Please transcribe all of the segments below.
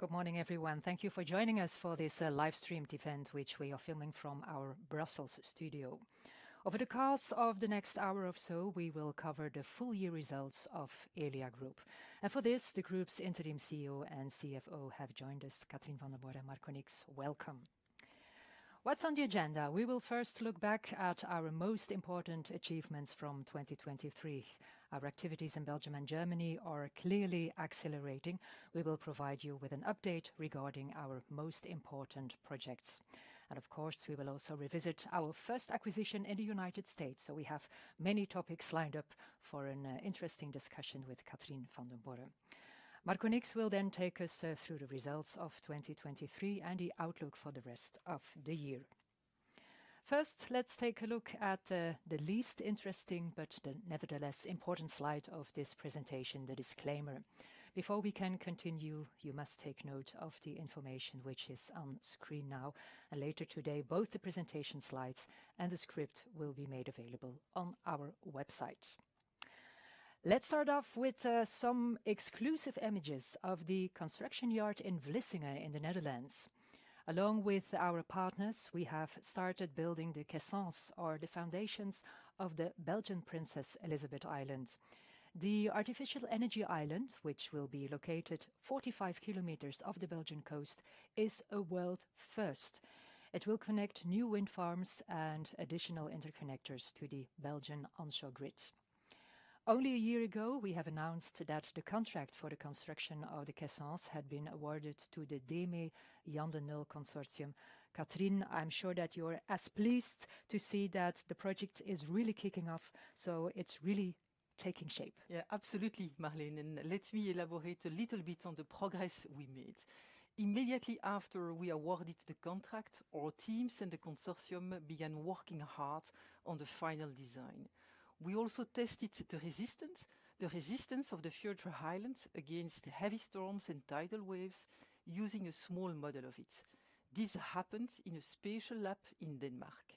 Good morning, everyone. Thank you for joining us for this livestreamed event, which we are filming from our Brussels studio. Over the course of the next hour or so, we will cover the full year results of Elia Group. For this, the group's interim CEO and CFO have joined us, Catherine Vandenborre and Marco Nix. Welcome. What's on the agenda? We will first look back at our most important achievements from 2023. Our activities in Belgium and Germany are clearly accelerating. We will provide you with an update regarding our most important projects. Of course, we will also revisit our first acquisition in the United States, so we have many topics lined up for an interesting discussion with Catherine Vandenborre. Marco Nix will then take us through the results of 2023 and the outlook for the rest of the year. First, let's take a look at the least interesting but nevertheless important slide of this presentation, the disclaimer. Before we can continue, you must take note of the information which is on screen now, and later today both the presentation slides and the script will be made available on our website. Let's start off with some exclusive images of the construction yard in Vlissingen in the Netherlands. Along with our partners, we have started building the caissons, or the foundations, of the Belgian Princess Elisabeth Island. The artificial energy island, which will be located 45 km off the Belgian coast, is a world first. It will connect new wind farms and additional interconnectors to the Belgian onshore grid. Only a year ago, we have announced that the contract for the construction of the caissons had been awarded to the DEME Jan De Nul Consortium. Catherine, I'm sure that you're as pleased to see that the project is really kicking off, so it's really taking shape. Yeah, absolutely, Marleen, and let me elaborate a little bit on the progress we made. Immediately after we awarded the contract, our teams and the consortium began working hard on the final design. We also tested the resistance, the resistance of the Princess Elisabeth Island against heavy storms and tidal waves, using a small model of it. This happened in a spatial lab in Denmark.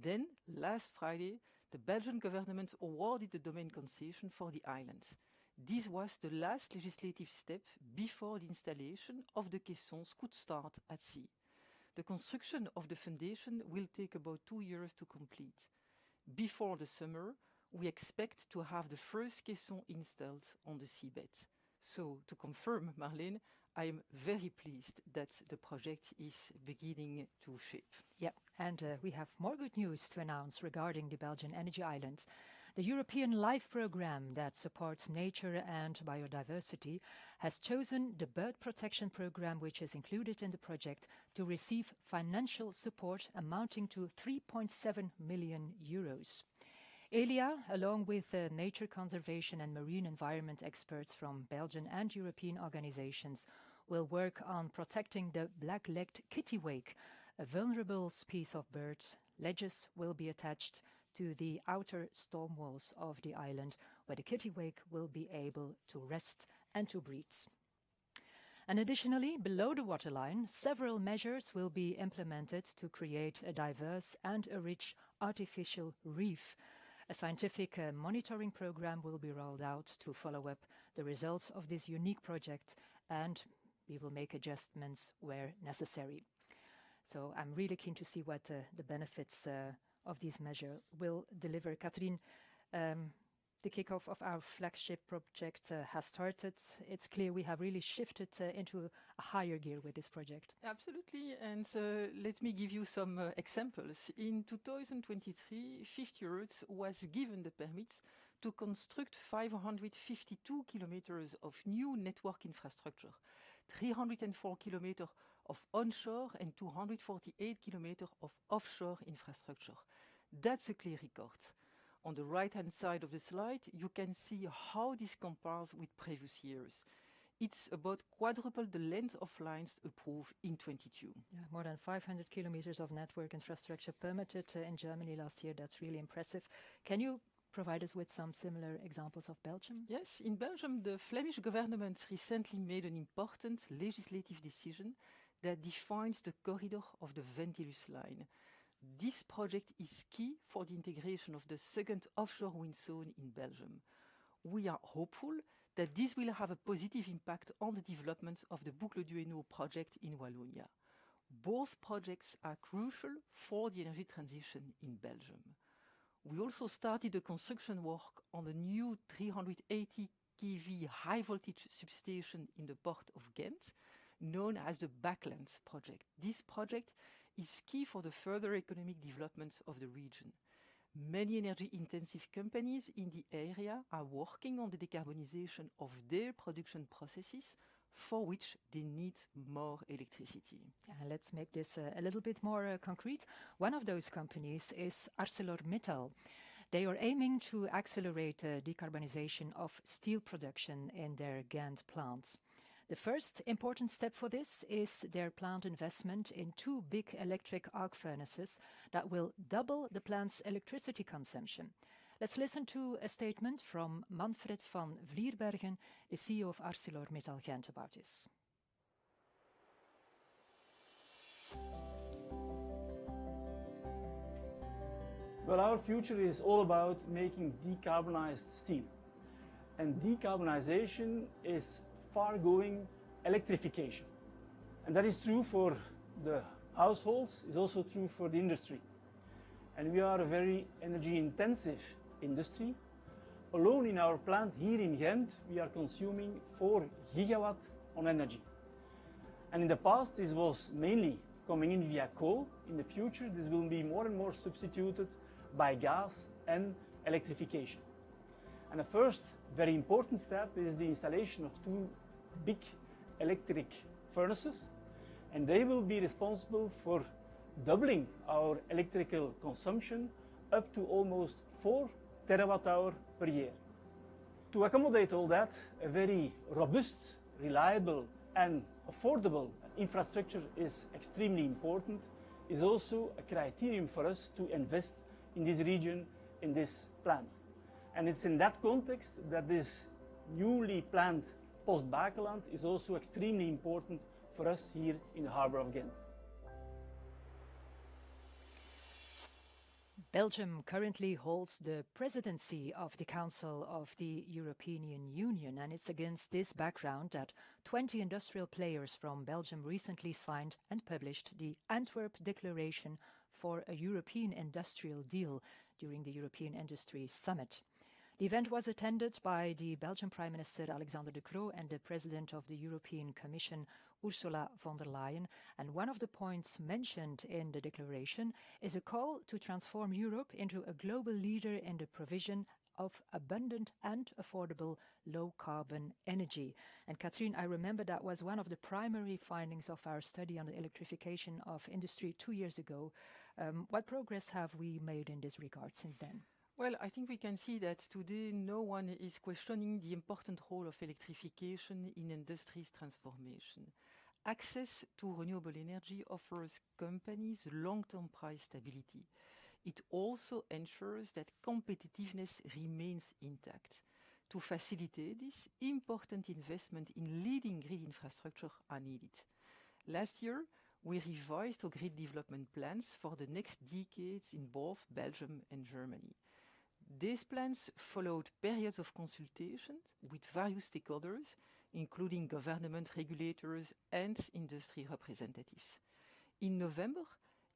Then, last Friday, the Belgian government awarded the domain concession for the island. This was the last legislative step before the installation of the caissons could start at sea. The construction of the foundation will take about two years to complete. Before the summer, we expect to have the first caisson installed on the seabed. So, to confirm, Marleen, I'm very pleased that the project is beginning to shape. Yep, and we have more good news to announce regarding the Belgian Energy Island. The European LIFE program that supports nature and biodiversity has chosen the Bird Protection Program, which is included in the project, to receive financial support amounting to 3.7 million euros. Elia, along with nature conservation and marine environment experts from Belgian and European organizations, will work on protecting the black-legged kittiwake, a vulnerable species of bird. Ledges will be attached to the outer storm walls of the island, where the kittiwake will be able to rest and to breed. Additionally, below the waterline, several measures will be implemented to create a diverse and a rich artificial reef. A scientific monitoring program will be rolled out to follow up the results of this unique project, and we will make adjustments where necessary. So I'm really keen to see what the benefits of these measures will deliver. Catherine, the kickoff of our flagship project has started. It's clear we have really shifted into a higher gear with this project. Absolutely, and let me give you some examples. In 2023, 50Hertz was given the permits to construct 552 kilometers of new network infrastructure, 304 km of onshore and 248 km of offshore infrastructure. That's a clear record. On the right-hand side of the slide, you can see how this compares with previous years. It's about quadruple the length of lines approved in 2022. Yeah, more than 500 km of network infrastructure permitted in Germany last year. That's really impressive. Can you provide us with some similar examples of Belgium? Yes, in Belgium, the Flemish government recently made an important legislative decision that defines the corridor of the Ventilus Line. This project is key for the integration of the second offshore wind zone in Belgium. We are hopeful that this will have a positive impact on the development of the Boucle du Hainaut project in Wallonia. Both projects are crucial for the energy transition in Belgium. We also started the construction work on the new 380 kV high-voltage substation in the port of Ghent, known as the Baekeland Substation. This project is key for the further economic development of the region. Many energy-intensive companies in the area are working on the decarbonization of their production processes, for which they need more electricity. Yeah, let's make this a little bit more concrete. One of those companies is ArcelorMittal. They are aiming to accelerate the decarbonization of steel production in their Ghent plant. The first important step for this is their plant investment in two big electric arc furnaces that will double the plant's electricity consumption. Let's listen to a statement from Manfred Van Vlierberghe, the CEO of ArcelorMittal Ghent, about this. Well, our future is all about making decarbonized steel. Decarbonization is far-going electrification. That is true for the households; it's also true for the industry. We are a very energy-intensive industry. Alone in our plant here in Ghent, we are consuming 4 GW of energy. In the past, this was mainly coming in via coal. In the future, this will be more and more substituted by gas and electrification. The first very important step is the installation of 2 big electric furnaces. They will be responsible for doubling our electrical consumption up to almost 4 TWh per year. To accommodate all that, a very robust, reliable, and affordable infrastructure is extremely important. It's also a criterion for us to invest in this region, in this plant. It's in that context that this newly planned Post Baekeland is also extremely important for us here in the harbor of Ghent. Belgium currently holds the presidency of the Council of the European Union, and it's against this background that 20 industrial players from Belgium recently signed and published the Antwerp Declaration for a European Industrial Deal during the European Industry Summit. The event was attended by the Belgian Prime Minister Alexander De Croo and the President of the European Commission Ursula von der Leyen, and one of the points mentioned in the declaration is a call to transform Europe into a global leader in the provision of abundant and affordable low-carbon energy. And Catherine, I remember that was one of the primary findings of our study on the electrification of industry two years ago. What progress have we made in this regard since then? Well, I think we can see that today no one is questioning the important role of electrification in industry transformation. Access to renewable energy offers companies long-term price stability. It also ensures that competitiveness remains intact. To facilitate this, important investment in leading grid infrastructure is needed. Last year, we revised our grid development plans for the next decades in both Belgium and Germany. These plans followed periods of consultations with various stakeholders, including government regulators and industry representatives. In November,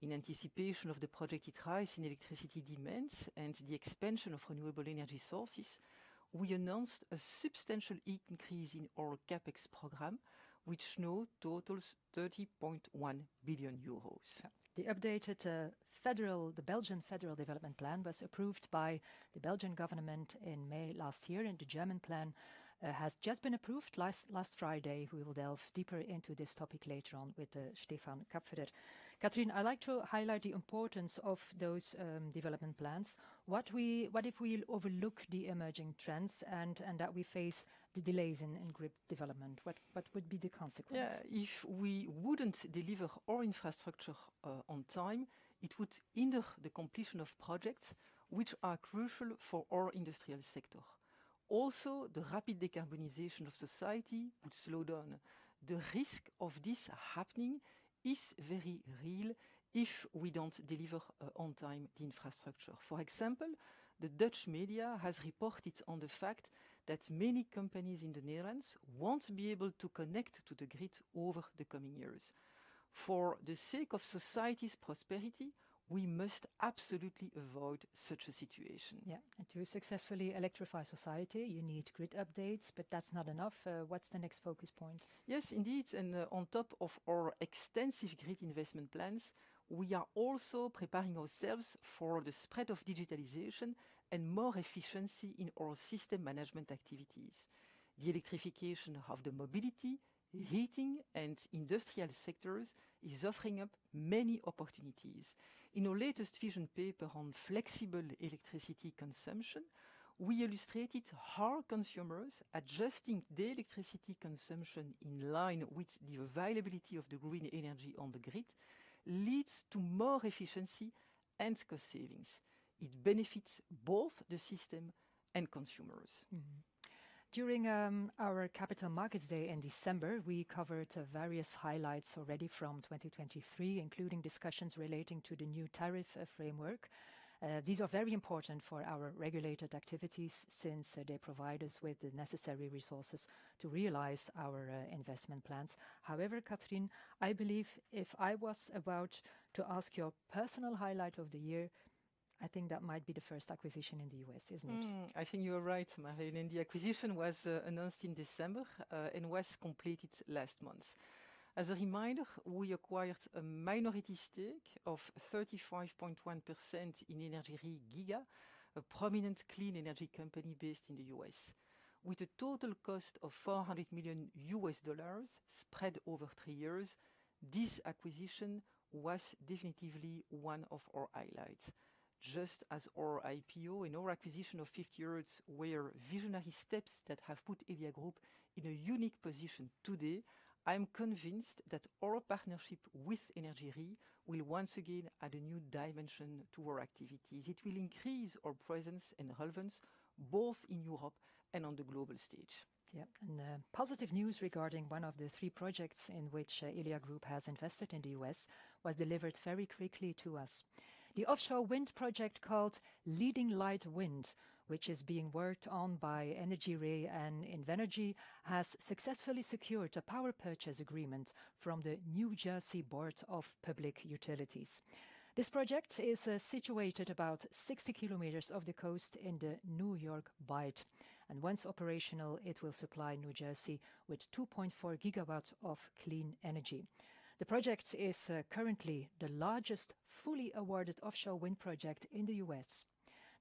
in anticipation of the project's rise in electricity demands and the expansion of renewable energy sources, we announced a substantial increase in our CapEx program, which now totals 30.1 billion euros. The updated Federal Development Plan, the Belgian Federal Development Plan, was approved by the Belgian government in May last year, and the German plan has just been approved last Friday. We will delve deeper into this topic later on with Stefan Kapferer. Catherine, I'd like to highlight the importance of those development plans. What if we overlook the emerging trends and that we face the delays in grid development? What would be the consequence? Yeah, if we wouldn't deliver our infrastructure on time, it would hinder the completion of projects which are crucial for our industrial sector. Also, the rapid decarbonization of society would slow down. The risk of this happening is very real if we don't deliver on time the infrastructure. For example, the Dutch media has reported on the fact that many companies in the Netherlands won't be able to connect to the grid over the coming years. For the sake of society's prosperity, we must absolutely avoid such a situation. Yeah, and to successfully electrify society, you need grid updates, but that's not enough. What's the next focus point? Yes, indeed, and on top of our extensive grid investment plans, we are also preparing ourselves for the spread of digitalization and more efficiency in our system management activities. The electrification of the mobility, heating, and industrial sectors is offering up many opportunities. In our latest vision paper on flexible electricity consumption, we illustrated how consumers adjusting their electricity consumption in line with the availability of the green energy on the grid leads to more efficiency and cost savings. It benefits both the system and consumers. During our Capital Markets Day in December, we covered various highlights already from 2023, including discussions relating to the new tariff framework. These are very important for our regulated activities since they provide us with the necessary resources to realize our investment plans. However, Catherine, I believe if I was about to ask your personal highlight of the year, I think that might be the first acquisition in the U.S., isn't it? I think you're right, Marleen. The acquisition was announced in December and was completed last month. As a reminder, we acquired a minority stake of 35.1% in energyRe, a prominent clean energy company based in the U.S. With a total cost of $400 million spread over three years, this acquisition was definitively one of our highlights. Just as our IPO and our acquisition of 50Hertz were visionary steps that have put Elia Group in a unique position today, I'm convinced that our partnership with energyRe will once again add a new dimension to our activities. It will increase our presence and relevance both in Europe and on the global stage. Yeah, and positive news regarding one of the three projects in which Elia Group has invested in the U.S. was delivered very quickly to us. The offshore wind project called Leading Light Wind, which is being worked on by energyRe and Invenergy, has successfully secured a power purchase agreement from the New Jersey Board of Public Utilities. This project is situated about 60 km off the coast in the New York Bight, and once operational, it will supply New Jersey with 2.4 GW of clean energy. The project is currently the largest fully awarded offshore wind project in the U.S.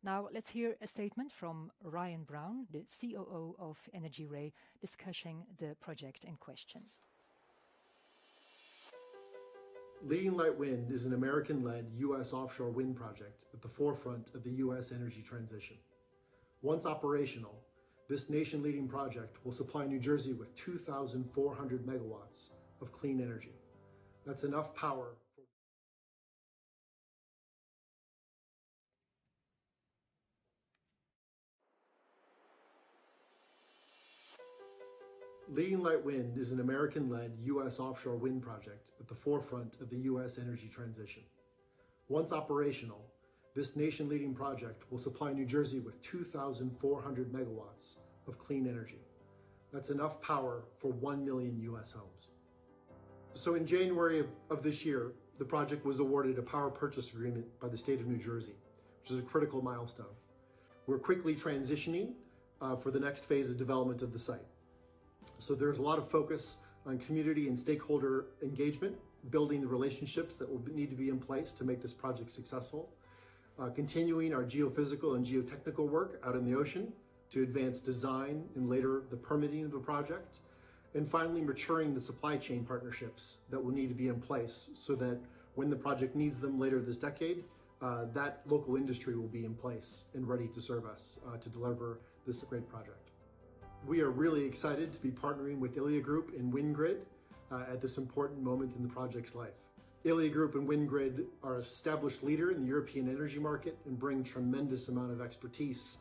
Now, let's hear a statement from Ryan Brown, the COO of energyRe, discussing the project in question. Leading Light Wind is an American-led U.S. offshore wind project at the forefront of the U.S. energy transition. Once operational, this nation-leading project will supply New Jersey with 2,400 MW of clean energy. That's enough power for 1 million U.S. homes. So in January of this year, the project was awarded a power purchase agreement by the state of New Jersey, which is a critical milestone. We're quickly transitioning for the next phase of development of the site. So there's a lot of focus on community and stakeholder engagement, building the relationships that will need to be in place to make this project successful, continuing our geophysical and geotechnical work out in the ocean to advance design and later the permitting of the project, and finally maturing the supply chain partnerships that will need to be in place so that when the project needs them later this decade, that local industry will be in place and ready to serve us to deliver this great project. We are really excited to be partnering with Elia Group and WindGrid at this important moment in the project's life. Elia Group and WindGrid are an established leader in the European energy market and bring a tremendous amount of expertise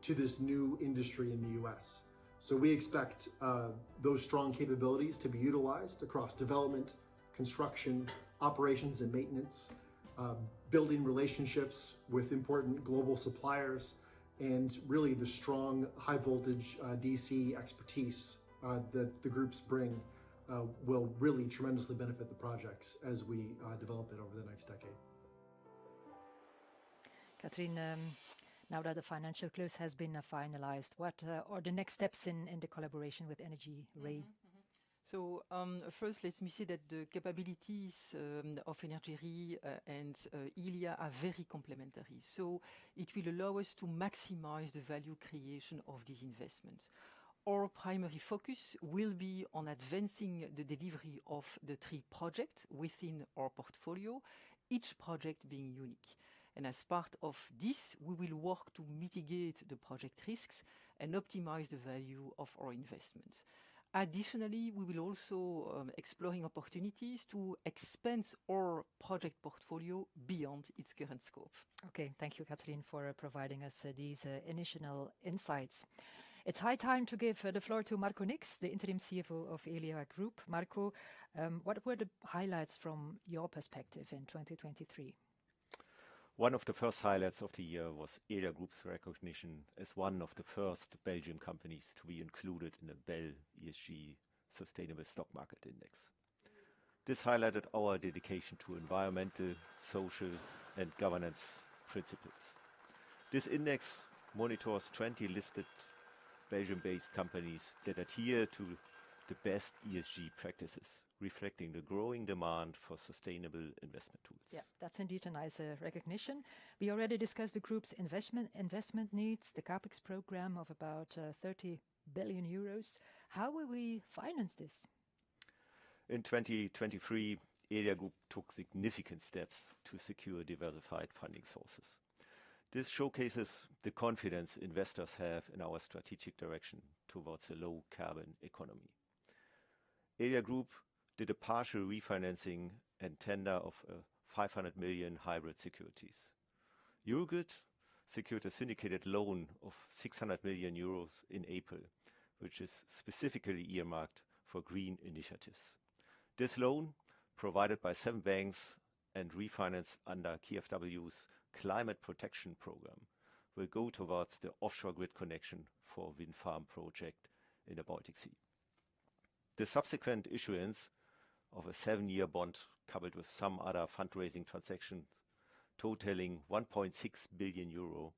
to this new industry in the U.S. We expect those strong capabilities to be utilized across development, construction, operations and maintenance, building relationships with important global suppliers, and really the strong high-voltage DC expertise that the groups bring will really tremendously benefit the projects as we develop it over the next decade. Catherine, now that the financial close has been finalized, what are the next steps in the collaboration with energyRe? First, let me say that the capabilities of energyRe and Elia are very complementary. It will allow us to maximize the value creation of these investments. Our primary focus will be on advancing the delivery of the three projects within our portfolio, each project being unique. As part of this, we will work to mitigate the project risks and optimize the value of our investments. Additionally, we will also be exploring opportunities to expand our project portfolio beyond its current scope. Okay, thank you, Catherine, for providing us these initial insights. It's high time to give the floor to Marco Nix, the interim CFO of Elia Group. Marco, what were the highlights from your perspective in 2023? One of the first highlights of the year was Elia Group's recognition as one of the first Belgian companies to be included in the BEL ESG Index. This highlighted our dedication to environmental, social, and governance principles. This index monitors 20 listed Belgian-based companies that adhere to the best ESG practices, reflecting the growing demand for sustainable investment tools. Yeah, that's indeed a nice recognition. We already discussed the group's investment needs, the CapEx program of about 30 billion euros. How will we finance this? In 2023, Elia Group took significant steps to secure diversified funding sources. This showcases the confidence investors have in our strategic direction towards a low-carbon economy. Elia Group did a partial refinancing and tender of 500 million hybrid securities. Eurogrid secured a syndicated loan of 600 million euros in April, which is specifically earmarked for green initiatives. This loan, provided by seven banks and refinanced under KfW's Climate Protection Program, will go towards the offshore grid connection for a wind farm project in the Baltic Sea. The subsequent issuance of a 7-year bond coupled with some other fundraising transactions totaling 1.6 billion euro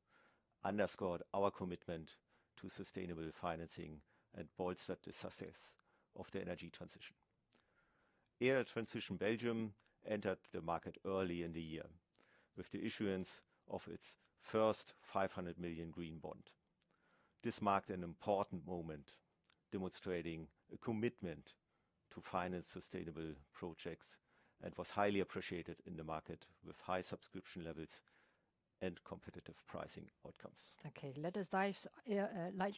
underscored our commitment to sustainable financing and bolstered the success of the energy transition. Elia Transmission Belgium entered the market early in the year with the issuance of its first 500 million green bond. This marked an important moment demonstrating a commitment to finance sustainable projects and was highly appreciated in the market with high subscription levels and competitive pricing outcomes. Okay,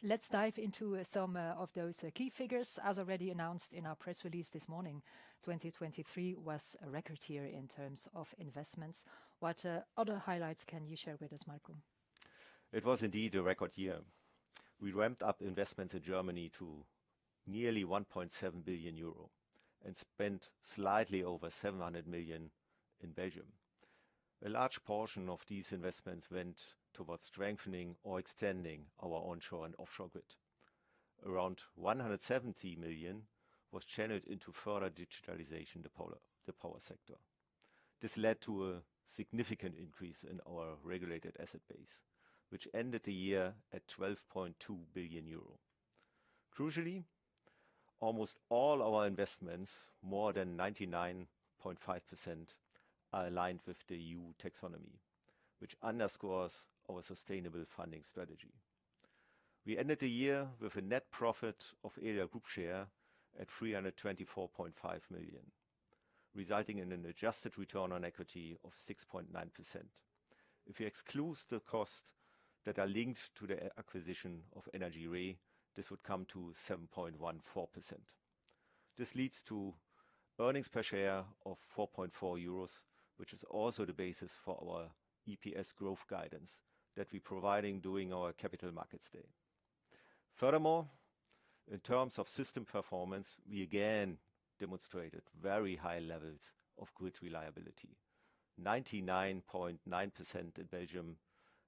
let's dive into some of those key figures. As already announced in our press release this morning, 2023 was a record year in terms of investments. What other highlights can you share with us, Marco? It was indeed a record year. We ramped up investments in Germany to nearly 1.7 billion euro and spent slightly over 700 million in Belgium. A large portion of these investments went towards strengthening or extending our onshore and offshore grid. Around 170 million was channeled into further digitalization of the power sector. This led to a significant increase in our regulated asset base, which ended the year at 12.2 billion euro. Crucially, almost all our investments, more than 99.5%, are aligned with the EU Taxonomy, which underscores our sustainable funding strategy. We ended the year with a net profit of Elia Group share at 324.5 million, resulting in an adjusted return on equity of 6.9%. If you exclude the costs that are linked to the acquisition of energyRe, this would come to 7.14%. This leads to earnings per share of 4.4 euros, which is also the basis for our EPS growth guidance that we provide during our Capital Markets Day. Furthermore, in terms of system performance, we again demonstrated very high levels of grid reliability, 99.9% in Belgium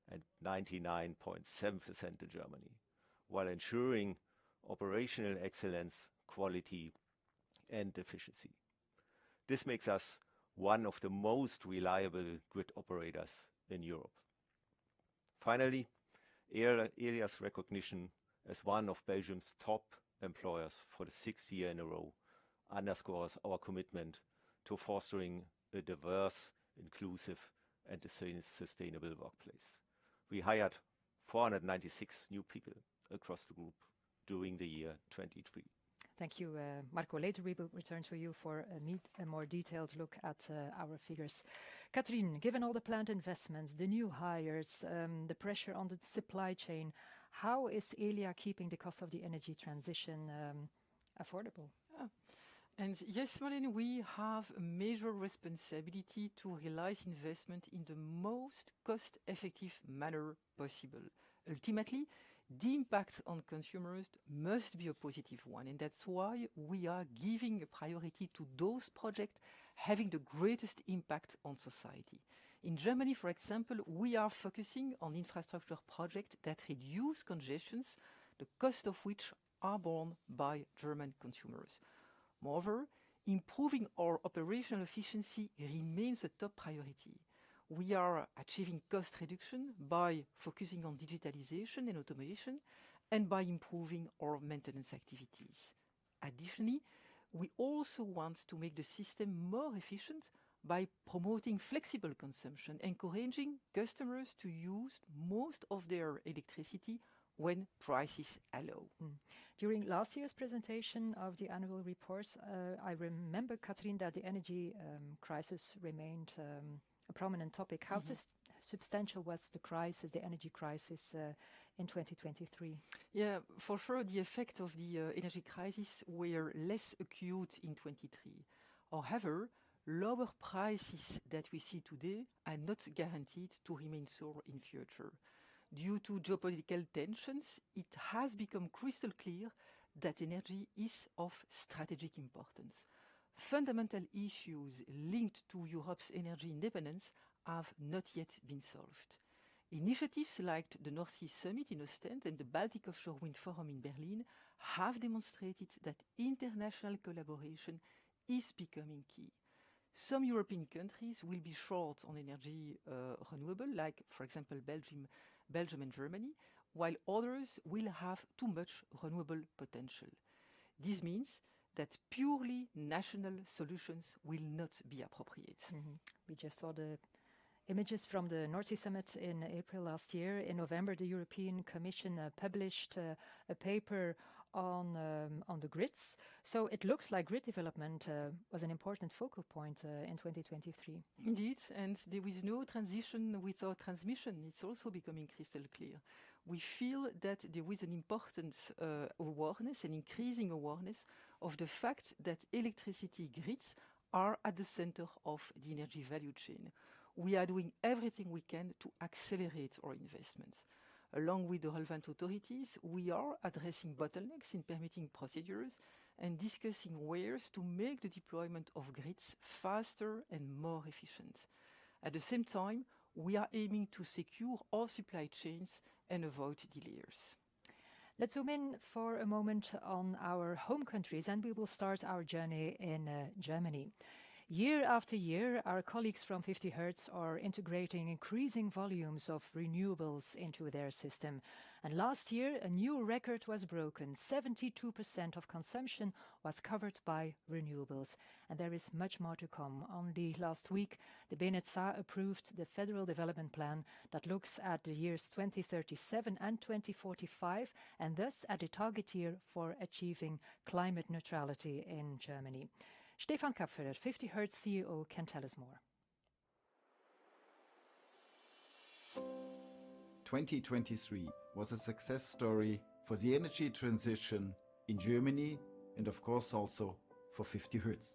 and 99.7% in Germany, while ensuring operational excellence, quality, and efficiency. This makes us one of the most reliable grid operators in Europe. Finally, Elia's recognition as one of Belgium's top employers for the sixth year in a row underscores our commitment to fostering a diverse, inclusive, and sustainable workplace. We hired 496 new people across the group during the year 2023. Thank you, Marco. Later, we will return to you for a more detailed look at our figures. Catherine, given all the planned investments, the new hires, the pressure on the supply chain, how is Elia keeping the cost of the energy transition affordable? And yes, Marleen, we have a major responsibility to realize investment in the most cost-effective manner possible. Ultimately, the impact on consumers must be a positive one. That's why we are giving priority to those projects having the greatest impact on society. In Germany, for example, we are focusing on infrastructure projects that reduce congestion, the cost of which is borne by German consumers. Moreover, improving our operational efficiency remains a top priority. We are achieving cost reduction by focusing on digitalization and automation, and by improving our maintenance activities. Additionally, we also want to make the system more efficient by promoting flexible consumption, encouraging customers to use most of their electricity when prices allow. During last year's presentation of the annual reports, I remember, Catherine, that the energy crisis remained a prominent topic. How substantial was the crisis, the energy crisis in 2023? Yeah, for sure, the effect of the energy crisis was less acute in 2023. However, lower prices that we see today are not guaranteed to remain so in the future. Due to geopolitical tensions, it has become crystal clear that energy is of strategic importance. Fundamental issues linked to Europe's energy independence have not yet been solved. Initiatives like the North Sea Summit in Ostend and the Baltic Offshore Wind Forum in Berlin have demonstrated that international collaboration is becoming key. Some European countries will be short on renewable energy, like for example, Belgium and Germany, while others will have too much renewable potential. This means that purely national solutions will not be appropriate. We just saw the images from the North Sea Summit in April last year. In November, the European Commission published a paper on the grids. So it looks like grid development was an important focal point in 2023. Indeed, there was no transition without transmission. It's also becoming crystal clear. We feel that there was an important awareness, an increasing awareness, of the fact that electricity grids are at the center of the energy value chain. We are doing everything we can to accelerate our investments. Along with the relevant authorities, we are addressing bottlenecks in permitting procedures and discussing ways to make the deployment of grids faster and more efficient. At the same time, we are aiming to secure our supply chains and avoid delays. Let's zoom in for a moment on our home countries, and we will start our journey in Germany. Year after year, our colleagues from 50Hertz are integrating increasing volumes of renewables into their system. Last year, a new record was broken. 72% of consumption was covered by renewables. There is much more to come. Only last week, the BNetzA approved the Federal Development Plan that looks at the years 2037 and 2045, and thus at a target year for achieving climate neutrality in Germany. Stefan Kapferer, 50Hertz CEO, can tell us more. 2023 was a success story for the energy transition in Germany and, of course, also for 50Hertz.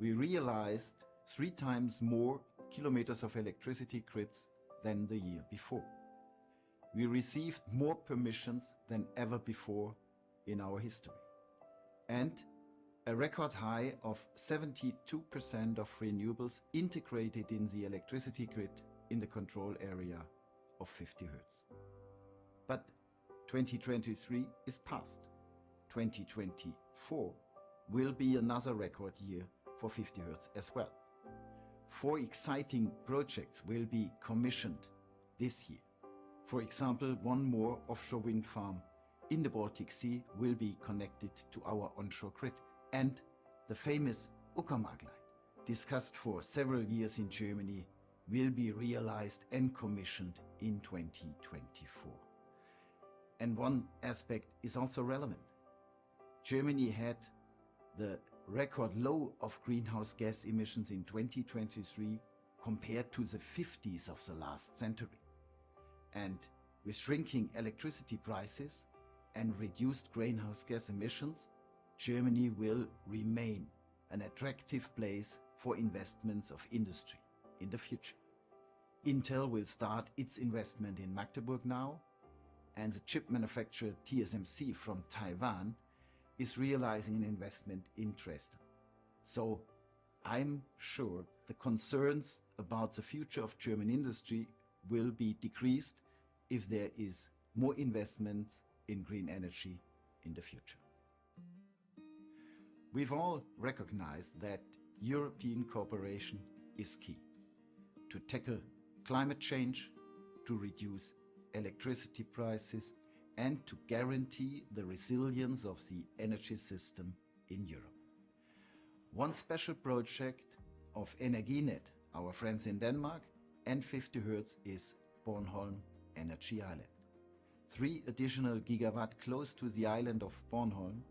We realized three times more kilometers of electricity grids than the year before. We received more permissions than ever before in our history. A record high of 72% of renewables integrated in the electricity grid in the control area of 50Hertz. 2023 is past. 2024 will be another record year for 50Hertz as well. Four exciting projects will be commissioned this year. For example, one more offshore wind farm in the Baltic Sea will be connected to our onshore grid, and the famous Uckermark, discussed for several years in Germany, will be realized and commissioned in 2024. One aspect is also relevant. Germany had the record low of greenhouse gas emissions in 2023 compared to the 50s of the last century. With shrinking electricity prices and reduced greenhouse gas emissions, Germany will remain an attractive place for investments of industry in the future. Intel will start its investment in Magdeburg now, and the chip manufacturer TSMC from Taiwan is realizing an investment in Dresden. I'm sure the concerns about the future of German industry will be decreased if there is more investment in green energy in the future. We've all recognized that European cooperation is key to tackle climate change, to reduce electricity prices, and to guarantee the resilience of the energy system in Europe. One special project of Energinet, our friends in Denmark, and 50Hertz is Bornholm Energy Island. 3 additional GW close to the island of Bornholm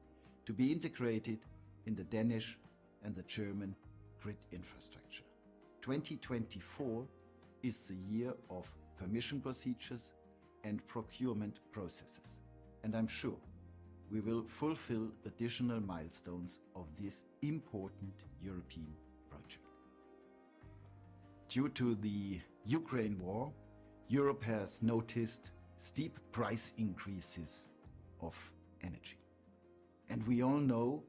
to be integrated in the Danish and the German grid infrastructure. 2024 is the year of permission procedures and procurement processes. I'm sure we will fulfill additional milestones of this important European project. Due to the Ukraine war, Europe has noticed steep price increases of energy. We all know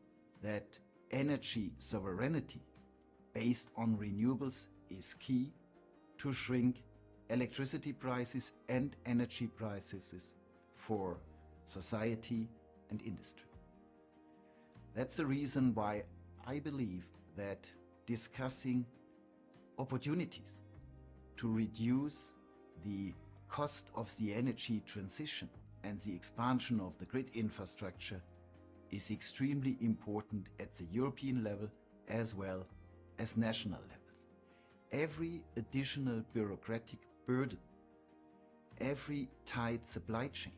that energy sovereignty based on renewables is key to shrinking electricity prices and energy prices for society and industry. That's the reason why I believe that discussing opportunities to reduce the cost of the energy transition and the expansion of the grid infrastructure is extremely important at the European level as well as national levels. Every additional bureaucratic burden, every tight supply chain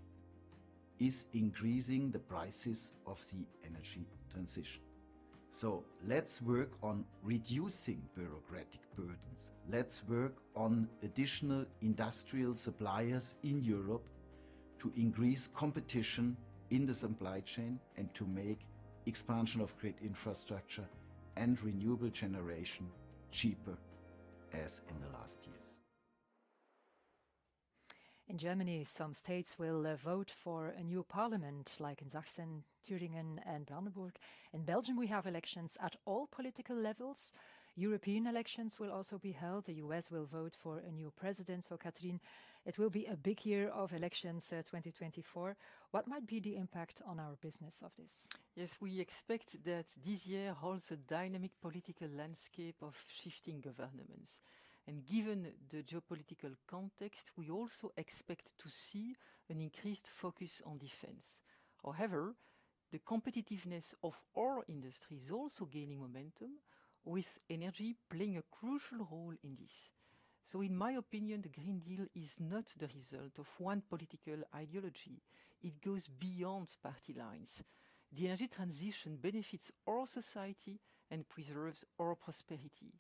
is increasing the prices of the energy transition. Let's work on reducing bureaucratic burdens. Let's work on additional industrial suppliers in Europe to increase competition in the supply chain and to make expansion of grid infrastructure and renewable generation cheaper as in the last years. In Germany, some states will vote for a new parliament like in Sachsen, Thüringen, and Brandenburg. In Belgium, we have elections at all political levels. European elections will also be held. The U.S. will vote for a new president. So, Catherine, it will be a big year of elections in 2024. What might be the impact on our business of this? Yes, we expect that this year holds a dynamic political landscape of shifting governments. Given the geopolitical context, we also expect to see an increased focus on defense. However, the competitiveness of our industry is also gaining momentum, with energy playing a crucial role in this. In my opinion, the Green Deal is not the result of one political ideology. It goes beyond party lines. The energy transition benefits our society and preserves our prosperity.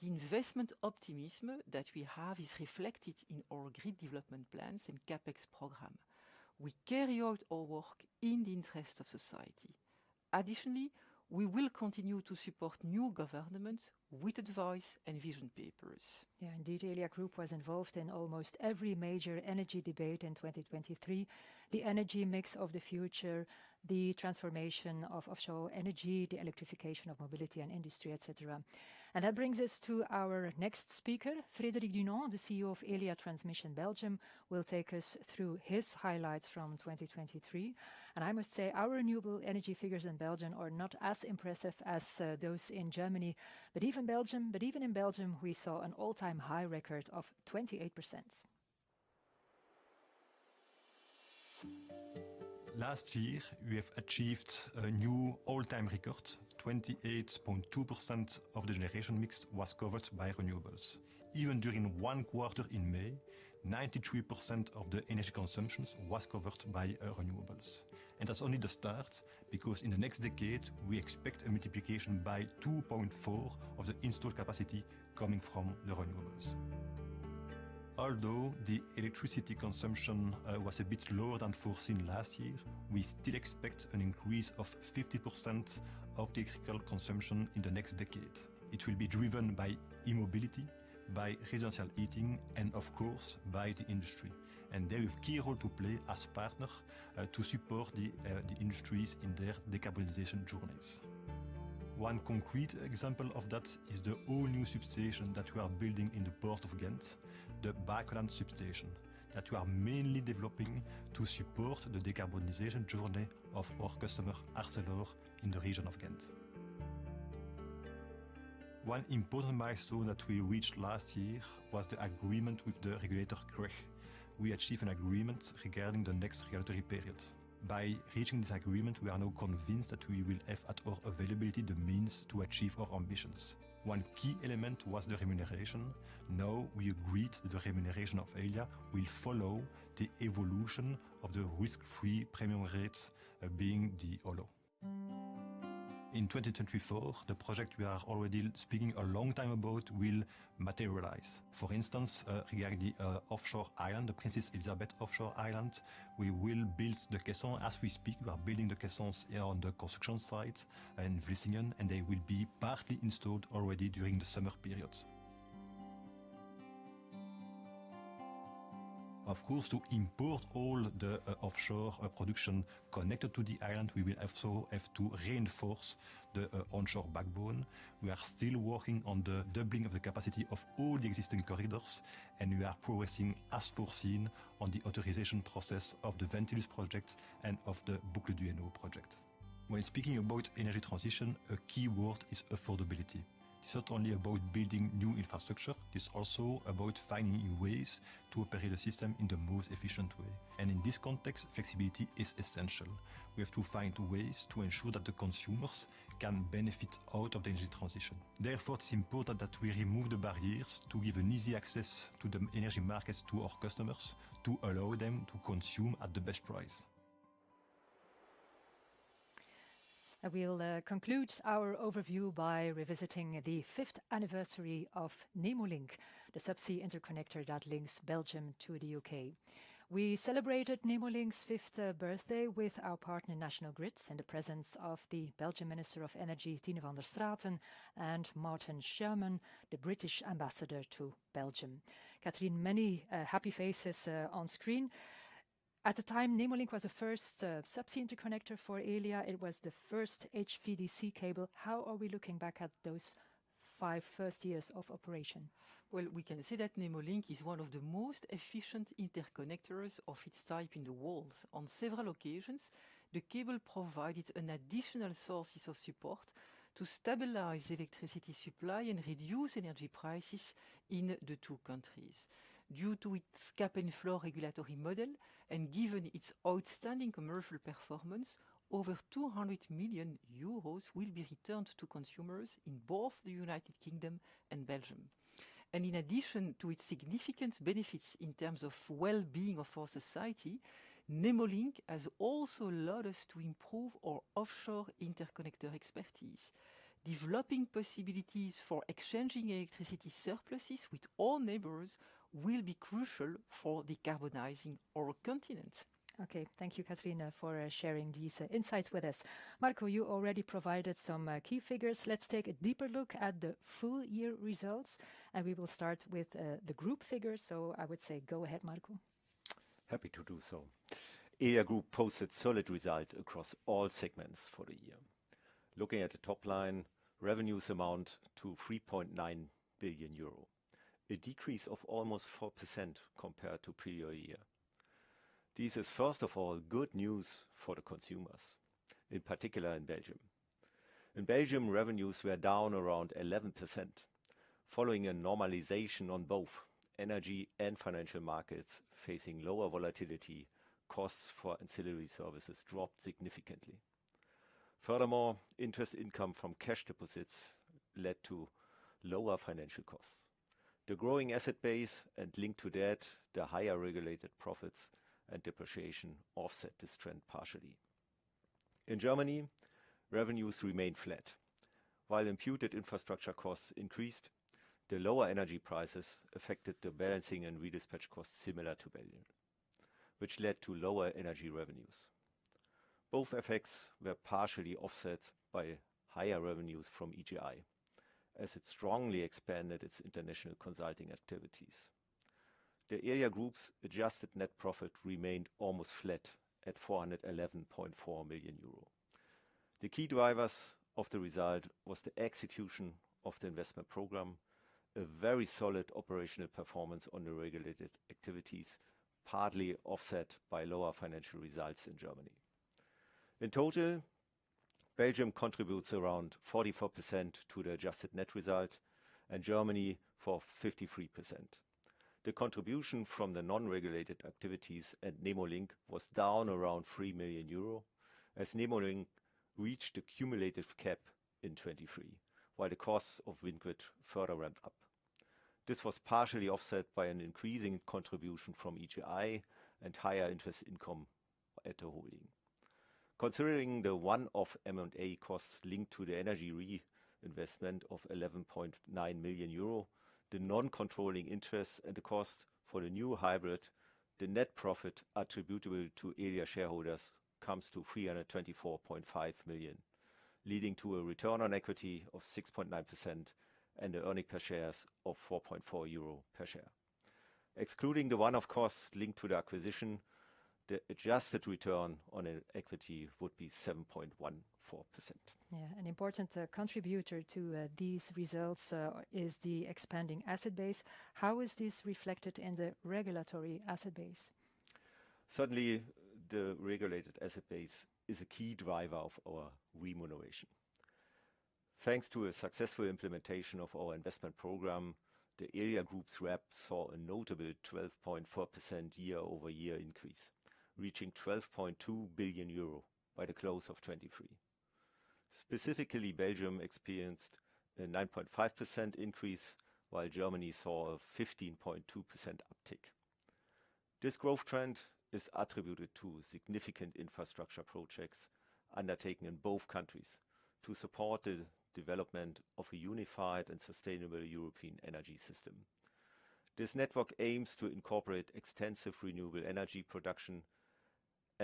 The investment optimism that we have is reflected in our grid development plans and CapEx program. We carry out our work in the interest of society. Additionally, we will continue to support new governments with advice and vision papers. Yeah, indeed, Elia Group was involved in almost every major energy debate in 2023, the energy mix of the future, the transformation of offshore energy, the electrification of mobility and industry, etc. And that brings us to our next speaker, Frédéric Dunon, the CEO of Elia Transmission Belgium, who will take us through his highlights from 2023. And I must say, our renewable energy figures in Belgium are not as impressive as those in Germany, but even in Belgium, we saw an all-time high record of 28%. Last year, we have achieved a new all-time record. 28.2% of the generation mix was covered by renewables. Even during one quarter in May, 93% of the energy consumption was covered by renewables. That's only the start because in the next decade, we expect a multiplication by 2.4% of the installed capacity coming from the renewables. Although the electricity consumption was a bit lower than foreseen last year, we still expect an increase of 50% of the electrical consumption in the next decade. It will be driven by e-mobility, by residential heating, and of course, by the industry. They have a key role to play as partners to support the industries in their decarbonization journeys. One concrete example of that is the whole new substation that we are building in the Port of Ghent, the Baekeland Substation, that we are mainly developing to support the decarbonization journey of our customer ArcelorMittal in the region of Ghent. One important milestone that we reached last year was the agreement with the regulator, CREG. We achieved an agreement regarding the next regulatory period. By reaching this agreement, we are now convinced that we will have at our availability the means to achieve our ambitions. One key element was the remuneration. Now we agreed that the remuneration of Elia will follow the evolution of the risk-free premium rate, being the OLO. In 2024, the project we are already speaking a long time about will materialize. For instance, regarding the offshore island, the Princess Elisabeth Island, we will build the caissons as we speak. We are building the caissons here on the construction site in Vlissingen, and they will be partly installed already during the summer period. Of course, to import all the offshore production connected to the island, we will also have to reinforce the onshore backbone. We are still working on the doubling of the capacity of all the existing corridors, and we are progressing as foreseen on the authorization process of the Ventulus project and of the Boucle du Hainaut project. When speaking about energy transition, a key word is affordability. It's not only about building new infrastructure. It's also about finding new ways to operate the system in the most efficient way. And in this context, flexibility is essential. We have to find ways to ensure that the consumers can benefit out of the energy transition. Therefore, it's important that we remove the barriers to give an easy access to the energy markets to our customers, to allow them to consume at the best price. We'll conclude our overview by revisiting the fifth anniversary of Nemo Link, the subsea interconnector that links Belgium to the UK. We celebrated Nemo Link's fifth birthday with our partner National Grid in the presence of the Belgian Minister of Energy, Tine Van der Straeten, and Martin Shearman, the British ambassador to Belgium. Catherine, many happy faces on screen. At the time, Nemo Link was the first subsea interconnector for Elia. It was the first HVDC cable. How are we looking back at those five first years of operation? Well, we can say that Nemo Link is one of the most efficient interconnectors of its type in the world. On several occasions, the cable provided additional sources of support to stabilize the electricity supply and reduce energy prices in the two countries. Due to its cap and floor regulatory model, and given its outstanding commercial performance, over 200 million euros will be returned to consumers in both the United Kingdom and Belgium. In addition to its significant benefits in terms of well-being of our society, Nemo Link has also allowed us to improve our offshore interconnector expertise. Developing possibilities for exchanging electricity surpluses with all neighbors will be crucial for decarbonizing our continent. Okay, thank you, Catherine, for sharing these insights with us. Marco, you already provided some key figures. Let's take a deeper look at the full year results, and we will start with the group figures. I would say go ahead, Marco. Happy to do so. Elia Group posted solid results across all segments for the year. Looking at the top line, revenues amount to 3.9 billion euro, a decrease of almost 4% compared to the previous year. This is, first of all, good news for the consumers, in particular in Belgium. In Belgium, revenues were down around 11%, following a normalization on both energy and financial markets facing lower volatility. Costs for ancillary services dropped significantly. Furthermore, interest income from cash deposits led to lower financial costs. The growing asset base and linked to that, the higher regulated profits and depreciation offset this trend partially. In Germany, revenues remained flat. While imputed infrastructure costs increased, the lower energy prices affected the balancing and redispatch costs similar to Belgium, which led to lower energy revenues. Both effects were partially offset by higher revenues from EGI, as it strongly expanded its international consulting activities. The Elia Group's adjusted net profit remained almost flat at 411.4 million euro. The key drivers of the result were the execution of the investment program, a very solid operational performance on the regulated activities, partly offset by lower financial results in Germany. In total, Belgium contributes around 44% to the adjusted net result, and Germany for 53%. The contribution from the non-regulated activities at Nemo Link was down around 3 million euro, as Nemo Link reached the cumulative cap in 2023, while the costs of WindGrid further ramped up. This was partially offset by an increasing contribution from EGI and higher interest income at the holding. Considering the one-off M&A costs linked to the energy reinvestment of 11.9 million euro, the non-controlling interest and the cost for the new hybrid, the net profit attributable to Elia shareholders comes to 324.5 million, leading to a return on equity of 6.9% and an earnings per share of 4.4 euro per share. Excluding the one-off costs linked to the acquisition, the adjusted return on equity would be 7.14%. Yeah, an important contributor to these results is the expanding asset base. How is this reflected in the regulated asset base? Certainly, the regulated asset base is a key driver of our remuneration. Thanks to a successful implementation of our investment program, the Elia Group's RABs saw a notable 12.4% year-over-year increase, reaching 12.2 billion euro by the close of 2023. Specifically, Belgium experienced a 9.5% increase, while Germany saw a 15.2% uptick. This growth trend is attributed to significant infrastructure projects undertaken in both countries to support the development of a unified and sustainable European energy system. This network aims to incorporate extensive renewable energy production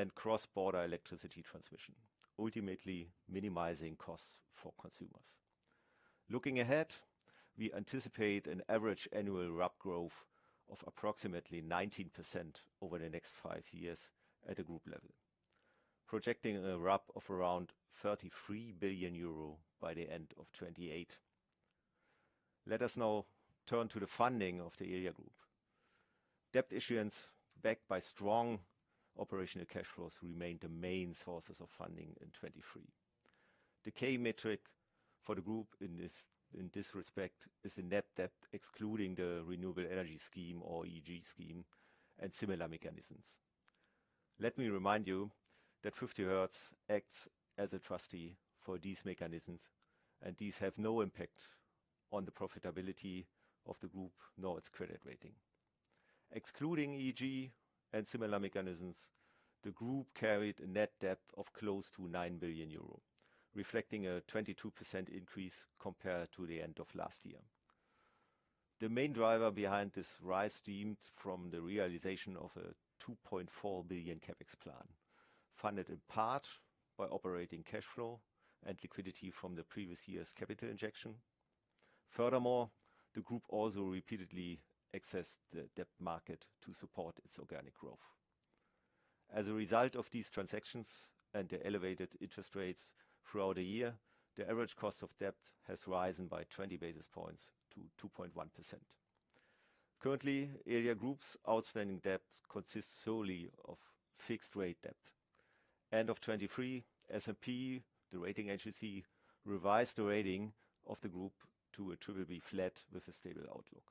and cross-border electricity transmission, ultimately minimizing costs for consumers. Looking ahead, we anticipate an average annual RAB growth of approximately 19% over the next five years at the group level, projecting a RAB of around 33 billion euro by the end of 2028. Let us now turn to the funding of the Elia Group. Debt issuance backed by strong operational cash flows remained the main sources of funding in 2023. The key metric for the group in this respect is the net debt excluding the renewable energy scheme, or EEG scheme, and similar mechanisms. Let me remind you that 50Hertz acts as a trustee for these mechanisms, and these have no impact on the profitability of the group nor its credit rating. Excluding EEG and similar mechanisms, the group carried a net debt of close to 9 billion euro, reflecting a 22% increase compared to the end of last year. The main driver behind this rise stemmed from the realization of a 2.4 billion CapEx plan, funded in part by operating cash flow and liquidity from the previous year's capital injection. Furthermore, the group also repeatedly accessed the debt market to support its organic growth. As a result of these transactions and the elevated interest rates throughout the year, the average cost of debt has risen by 20 basis points to 2.1%. Currently, Elia Group's outstanding debt consists solely of fixed-rate debt. End of 2023, S&P, the rating agency, revised the rating of the group to a triple B flat with a stable outlook.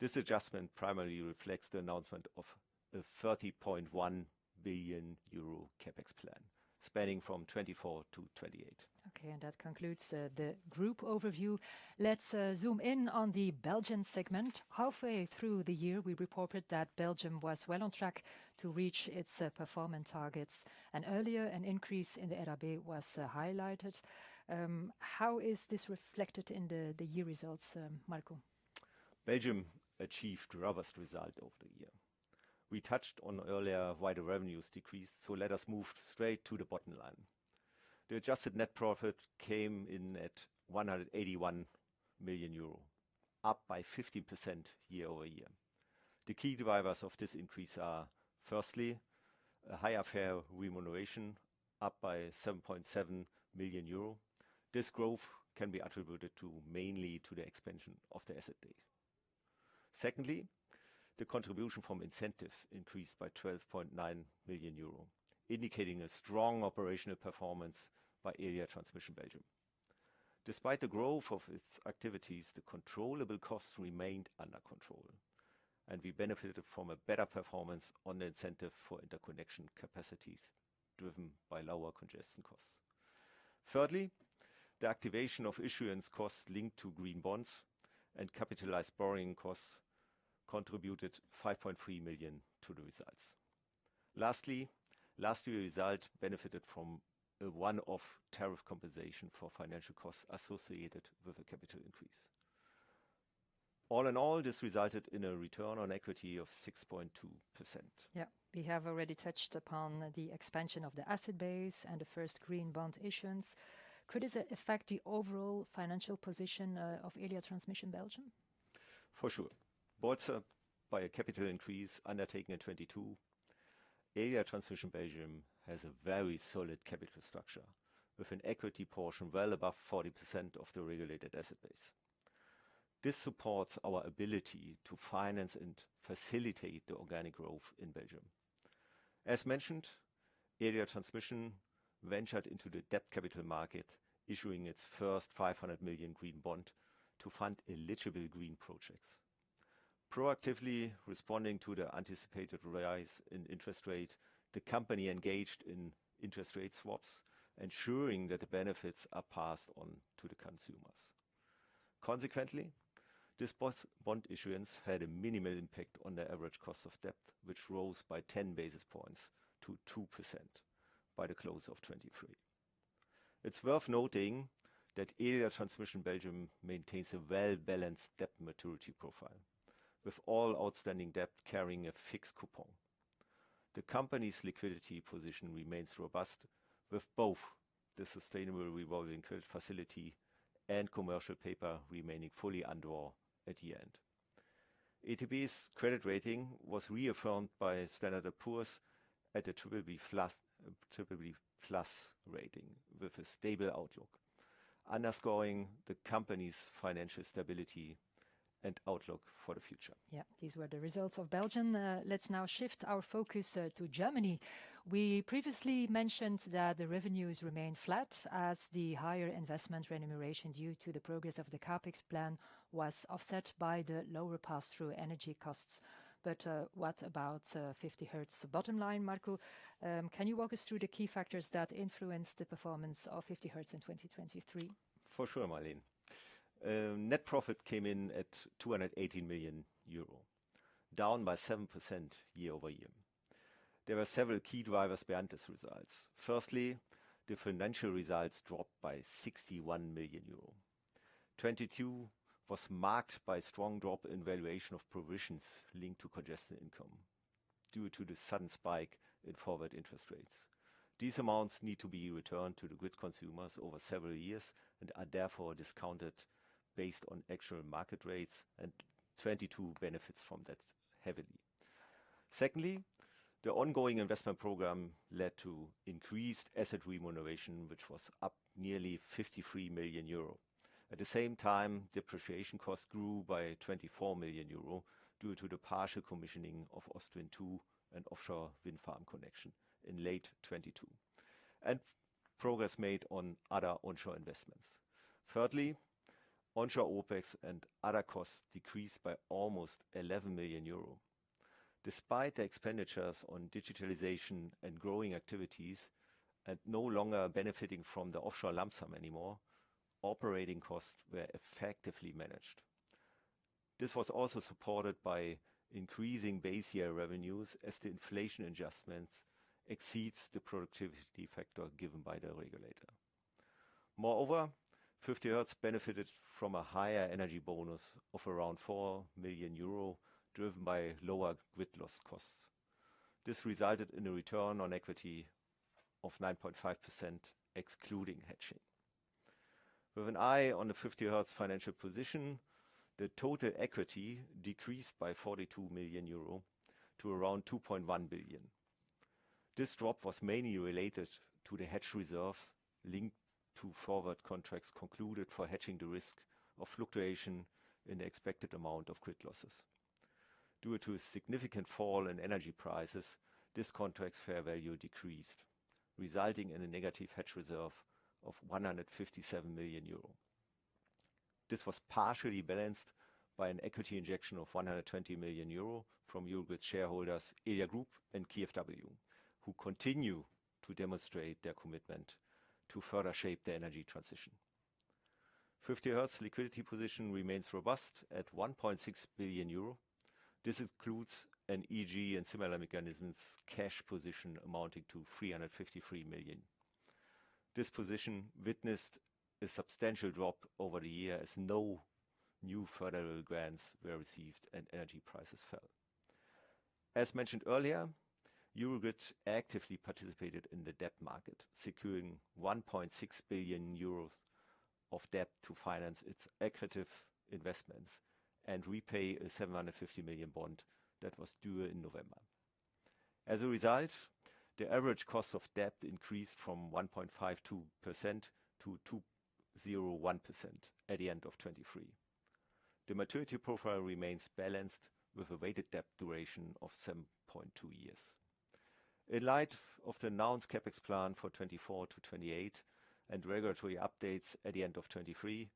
This adjustment primarily reflects the announcement of a 30.1 billion euro CapEx plan, spanning from 2024 to 2028. Okay, and that concludes the group overview. Let's zoom in on the Belgian segment. Halfway through the year, we reported that Belgium was well on track to reach its performance targets, and earlier, an increase in the EBIT was highlighted. How is this reflected in the year results, Marco? Belgium achieved robust results over the year. We touched on earlier wider revenues decrease, so let us move straight to the bottom line. The adjusted net profit came in at 181 million euro, up by 15% year-over-year. The key drivers of this increase are, firstly, a higher fair remuneration, up by 7.7 million euro. This growth can be attributed mainly to the expansion of the asset base. Secondly, the contribution from incentives increased by 12.9 million euro, indicating a strong operational performance by Elia Transmission Belgium. Despite the growth of its activities, the controllable costs remained under control, and we benefited from a better performance on the incentive for interconnection capacities driven by lower congestion costs. Thirdly, the activation of issuance costs linked to green bonds and capitalized borrowing costs contributed 5.3 million to the results. Lastly, last year's result benefited from a one-off tariff compensation for financial costs associated with a capital increase. All in all, this resulted in a return on equity of 6.2%. Yeah, we have already touched upon the expansion of the asset base and the first Green Bond issuance. Could this affect the overall financial position of Elia Transmission Belgium? For sure. Bolstered by a capital increase undertaken in 2022, Elia Transmission Belgium has a very solid capital structure with an equity portion well above 40% of the regulated asset base. This supports our ability to finance and facilitate the organic growth in Belgium. As mentioned, Elia Transmission Belgium ventured into the debt capital market, issuing its first 500 million green bond to fund eligible green projects. Proactively responding to the anticipated rise in interest rate, the company engaged in interest rate swaps, ensuring that the benefits are passed on to the consumers. Consequently, this bond issuance had a minimal impact on the average cost of debt, which rose by 10 basis points to 2% by the close of 2023. It's worth noting that Elia Transmission Belgium maintains a well-balanced debt maturity profile, with all outstanding debt carrying a fixed coupon. The company's liquidity position remains robust, with both the sustainable revolving credit facility and commercial paper remaining fully underwritten at the end. ETB's credit rating was reaffirmed by Standard & Poor's at a triple B plus rating, with a stable outlook, underscoring the company's financial stability and outlook for the future. Yeah, these were the results of Belgium. Let's now shift our focus to Germany. We previously mentioned that the revenues remained flat, as the higher investment remuneration due to the progress of the CapEx plan was offset by the lower pass-through energy costs. But what about 50Hertz bottom line, Marco? Can you walk us through the key factors that influenced the performance of 50Hertz in 2023? For sure, Marleen. Net profit came in at 218 million euro, down by 7% year-over-year. There were several key drivers behind these results. Firstly, the financial results dropped by 61 million euro. 2022 was marked by a strong drop in valuation of provisions linked to Congestion Income due to the sudden spike in forward interest rates. These amounts need to be returned to the grid consumers over several years and are therefore discounted based on actual market rates and 2022 benefits from that heavily. Secondly, the ongoing investment program led to increased asset remuneration, which was up nearly 53 million euro. At the same time, depreciation costs grew by 24 million euro due to the partial commissioning of Ostwind 2 and offshore wind farm connection in late 2022, and progress made on other onshore investments. Thirdly, onshore OPEX and other costs decreased by almost 11 million euro. Despite the expenditures on digitalization and growing activities and no longer benefiting from the offshore lump sum anymore, operating costs were effectively managed. This was also supported by increasing base year revenues as the inflation adjustments exceed the productivity factor given by the regulator. Moreover, 50Hertz benefited from a higher energy bonus of around 4 million euro driven by lower grid loss costs. This resulted in a return on equity of 9.5% excluding hedging. With an eye on the 50Hertz financial position, the total equity decreased by 42 million euro to around 2.1 billion. This drop was mainly related to the hedge reserve linked to forward contracts concluded for hedging the risk of fluctuation in the expected amount of grid losses. Due to a significant fall in energy prices, these contracts' fair value decreased, resulting in a negative hedge reserve of 157 million euro. This was partially balanced by an equity injection of 120 million euro from Eurogrid shareholders Elia Group and KfW, who continue to demonstrate their commitment to further shape the energy transition. 50Hertz liquidity position remains robust at 1.6 billion euro. This includes an EG and similar mechanisms cash position amounting to 353 million. This position witnessed a substantial drop over the year as no new federal grants were received and energy prices fell. As mentioned earlier, Eurogrid actively participated in the debt market, securing 1.6 billion euro of debt to finance its equity investments and repay a 750 million bond that was due in November. As a result, the average cost of debt increased from 1.52% to 2.01% at the end of 2023. The maturity profile remains balanced, with a weighted debt duration of 7.2 years. In light of the announced CapEx plan for 2024 to 2028 and regulatory updates at the end of 2023,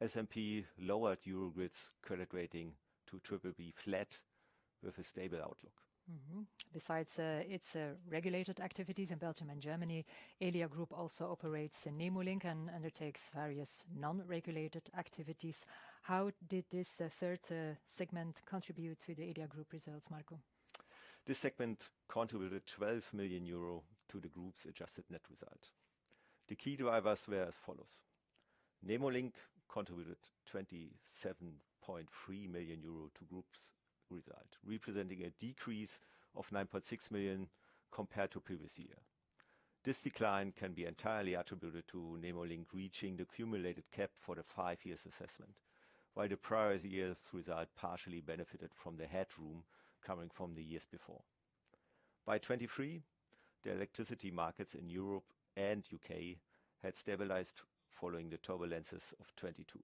S&P lowered Eurogrid's credit rating to triple B flat with a stable outlook. Besides its regulated activities in Belgium and Germany, Elia Group also operates in Nemo Link and undertakes various non-regulated activities. How did this third segment contribute to the Elia Group results, Marco? This segment contributed 12 million euro to the group's adjusted net result. The key drivers were as follows: Nemo Link contributed 27.3 million euro to the group's result, representing a decrease of 9.6 million compared to previous year. This decline can be entirely attributed to Nemo Link reaching the accumulated cap for the five-year assessment, while the prior year's result partially benefited from the headroom coming from the years before. By 2023, the electricity markets in Europe and the UK had stabilized following the turbulences of 2022.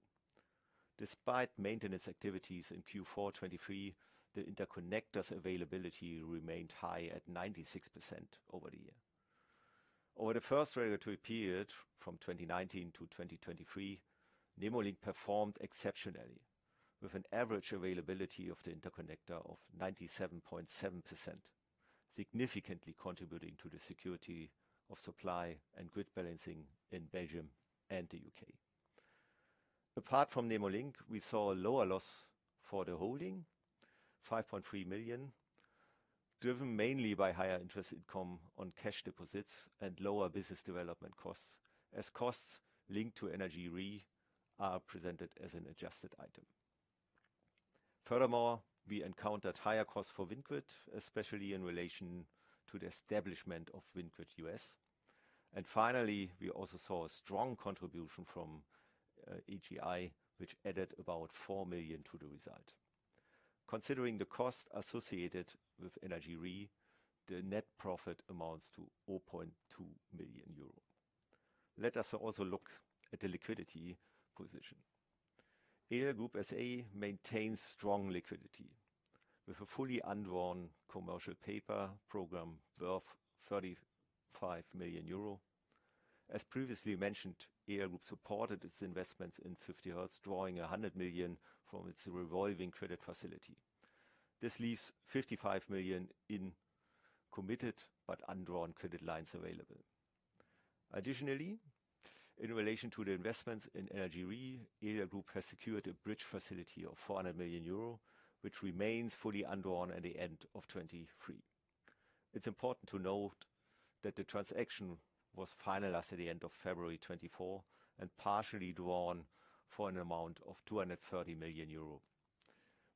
Despite maintenance activities in Q4 2023, the interconnectors' availability remained high at 96% over the year. Over the first regulatory period from 2019 to 2023, Nemo Link performed exceptionally, with an average availability of the interconnector of 97.7%, significantly contributing to the security of supply and grid balancing in Belgium and the UK. Apart from Nemo Link, we saw a lower loss for the holding, 5.3 million, driven mainly by higher interest income on cash deposits and lower business development costs, as costs linked to energyRe are presented as an adjusted item. Furthermore, we encountered higher costs for WindGrid, especially in relation to the establishment of WindGrid US. And finally, we also saw a strong contribution from EGI, which added about 4 million to the result. Considering the costs associated with energyRe, the net profit amounts to 0.2 million euros. Let us also look at the liquidity position. Elia Group SA maintains strong liquidity, with a fully underwritten commercial paper program worth 35 million euro. As previously mentioned, Elia Group supported its investments in 50Hertz, drawing 100 million from its revolving credit facility. This leaves 55 million in committed but underwritten credit lines available. Additionally, in relation to the investments in energyRe, Elia Group has secured a bridge facility of 400 million euro, which remains fully underwritten at the end of 2023. It's important to note that the transaction was finalized at the end of February 2024 and partially drawn for an amount of 230 million euro.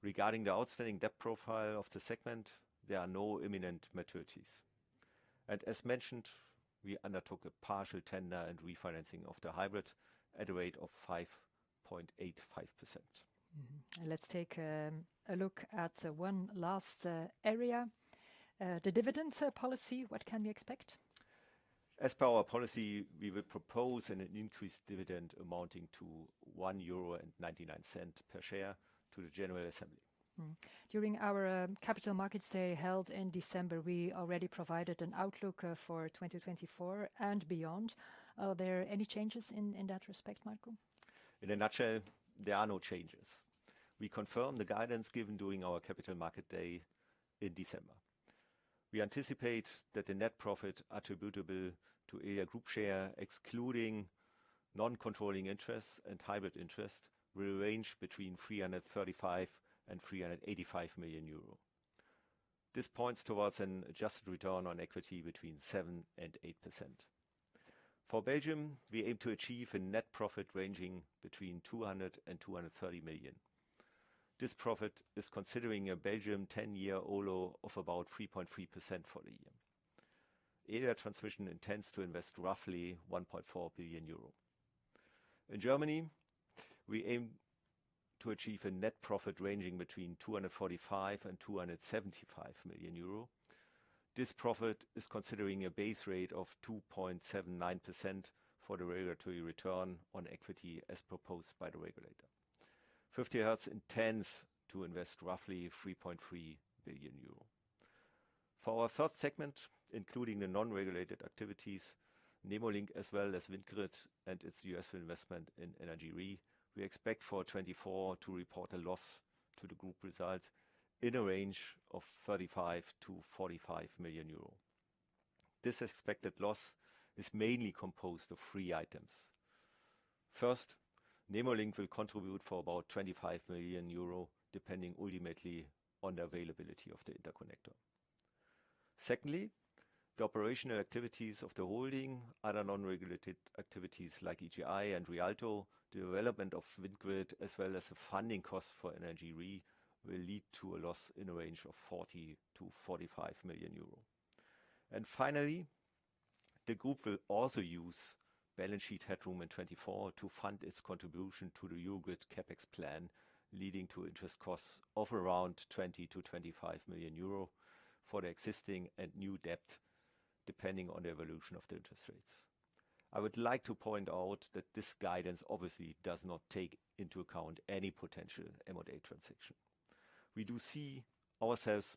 Regarding the outstanding debt profile of the segment, there are no imminent maturities. And as mentioned, we undertook a partial tender and refinancing of the hybrid at a rate of 5.85%. Let's take a look at one last area: the dividend policy. What can we expect? As per our policy, we will propose an increased dividend amounting to 1.99 euro per share to the general assembly. During our Capital Markets Day held in December, we already provided an outlook for 2024 and beyond. Are there any changes in that respect, Marco? In a nutshell, there are no changes. We confirm the guidance given during our Capital Markets Day in December. We anticipate that the net profit attributable to Elia Group share, excluding non-controlling interest and hybrid interest, will range between 335 million and 385 million euro. This points towards an adjusted return on equity between 7% and 8%. For Belgium, we aim to achieve a net profit ranging between 200 million and 230 million. This profit is considering a Belgium 10-year OLO of about 3.3% for the year. Elia Transmission intends to invest roughly 1.4 billion euro. In Germany, we aim to achieve a net profit ranging between 245 million and 275 million euro. This profit is considering a base rate of 2.79% for the regulatory return on equity as proposed by the regulator. 50Hertz intends to invest roughly 3.3 billion euro. For our third segment, including the non-regulated activities, Nemo Link as well as WindGrid and its US investment in energyRe, we expect for 2024 to report a loss to the group result in a range of 35 million-45 million euro. This expected loss is mainly composed of three items. First, Nemo Link will contribute for about 25 million euro, depending ultimately on the availability of the interconnector. Secondly, the operational activities of the holding, other non-regulated activities like EGI and Realto development of WindGrid as well as the funding costs for energyRe will lead to a loss in a range of 40 million-45 million euros. Finally, the group will also use balance sheet headroom in 2024 to fund its contribution to the Eurogrid CapEx plan, leading to interest costs of around 20 million-25 million euro for the existing and new debt, depending on the evolution of the interest rates. I would like to point out that this guidance obviously does not take into account any potential M&A transaction. We do see ourselves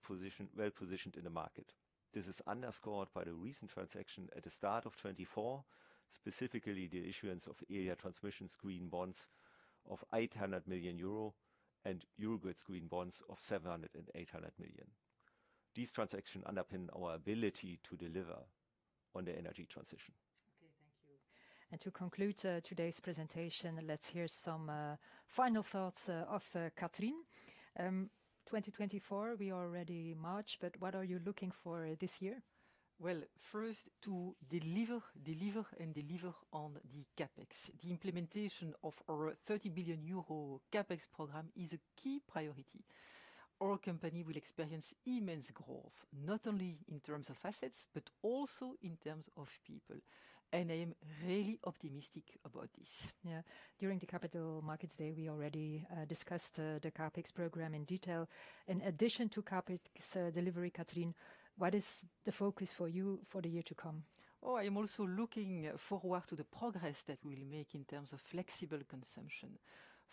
well-positioned in the market. This is underscored by the recent transaction at the start of 2024, specifically the issuance of Elia Transmission's green bonds of 800 million euro and Eurogrid's green bonds of 700 million and 800 million euro. These transactions underpin our ability to deliver on the energy transition. Okay, thank you. To conclude today's presentation, let's hear some final thoughts of Catherine. 2024, we are already March, but what are you looking for this year? Well, first, to deliver and deliver on the CapEx. The implementation of our 30 billion euro CapEx program is a key priority. Our company will experience immense growth, not only in terms of assets but also in terms of people. I am really optimistic about this. Yeah. During the Capital Markets Day, we already discussed the CapEx program in detail. In addition to CapEx delivery, Catherine, what is the focus for you for the year to come? Oh, I am also looking forward to the progress that we will make in terms of flexible consumption.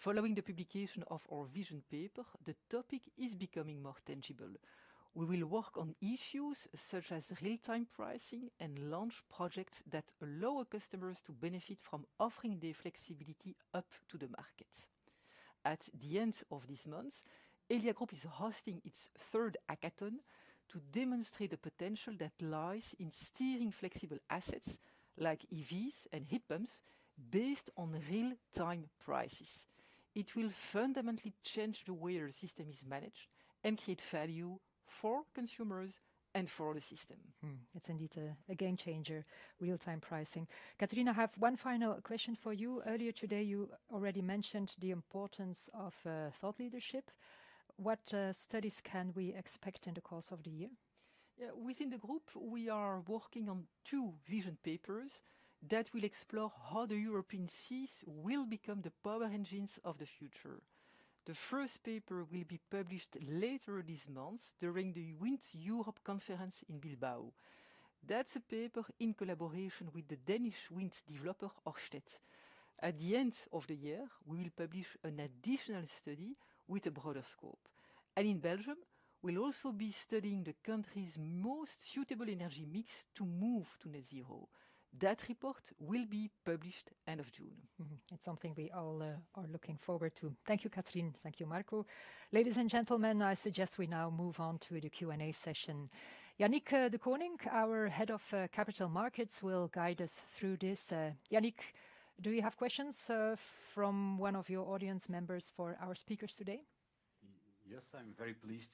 Following the publication of our vision paper, the topic is becoming more tangible. We will work on issues such as real-time pricing and launch projects that allow customers to benefit from offering their flexibility up to the market. At the end of this month, Elia Group is hosting its third hackathon to demonstrate the potential that lies in steering flexible assets like EVs and heat pumps based on real-time prices. It will fundamentally change the way the system is managed and create value for consumers and for the system. It's indeed a game-changer, real-time pricing. Catherine, I have one final question for you. Earlier today, you already mentioned the importance of thought leadership. What studies can we expect in the course of the year? Yeah, within the group, we are working on two vision papers that will explore how the European seas will become the power engines of the future. The first paper will be published later this month during the WindEurope Conference in Bilbao. That's a paper in collaboration with the Danish wind developer Ørsted. At the end of the year, we will publish an additional study with a broader scope. And in Belgium, we'll also be studying the country's most suitable energy mix to move to net zero. That report will be published end of June. It's something we all are looking forward to. Thank you, Catherine. Thank you, Marco. Ladies and gentlemen, I suggest we now move on to the Q&A session. Yannick Dekoninck, our Head of Capital Markets, will guide us through this. Yannick, do you have questions from one of your audience members for our speakers today? Yes, I'm very pleased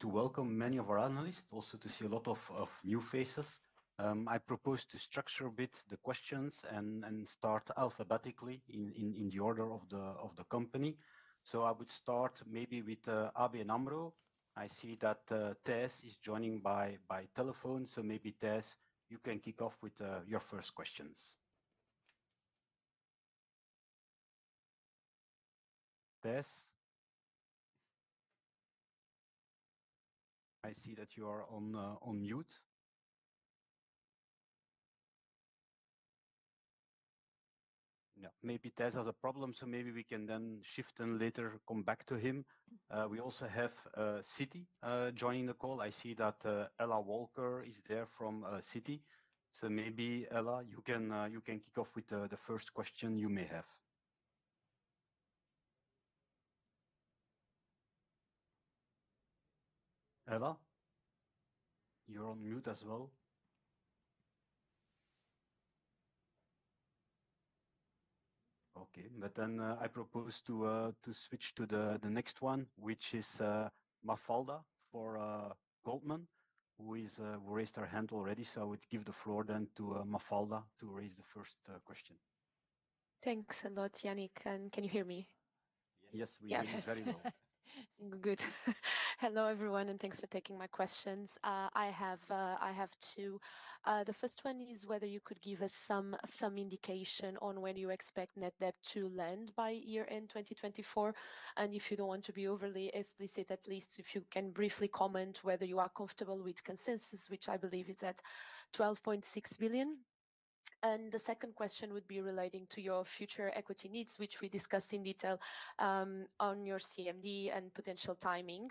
to welcome many of our analysts, also to see a lot of new faces. I propose to structure a bit the questions and start alphabetically in the order of the company. So I would start maybe with ABN AMRO. I see that Thijs is joining by telephone. So maybe, Thijs, you can kick off with your first questions. Thijs? I see that you are on mute. Yeah, maybe Thijs has a problem, so maybe we can then shift and later come back to him. We also have Citi joining the call. I see that Ella Walker is there from Citi. So maybe, Ella, you can kick off with the first question you may have. Ella? You're on mute as well. Okay, but then I propose to switch to the next one, which is Mafalda for Goldman Sachs, who raised her hand already. I would give the floor then to Mafalda to raise the first question. Thanks a lot, Yannick. Can you hear me? Yes, we hear you very well. Good. Hello, everyone, and thanks for taking my questions. I have two. The first one is whether you could give us some indication on when you expect net debt to land by year-end 2024. And if you don't want to be overly explicit, at least if you can briefly comment whether you are comfortable with consensus, which I believe is at 12.6 billion. And the second question would be relating to your future equity needs, which we discussed in detail on your CMD and potential timing.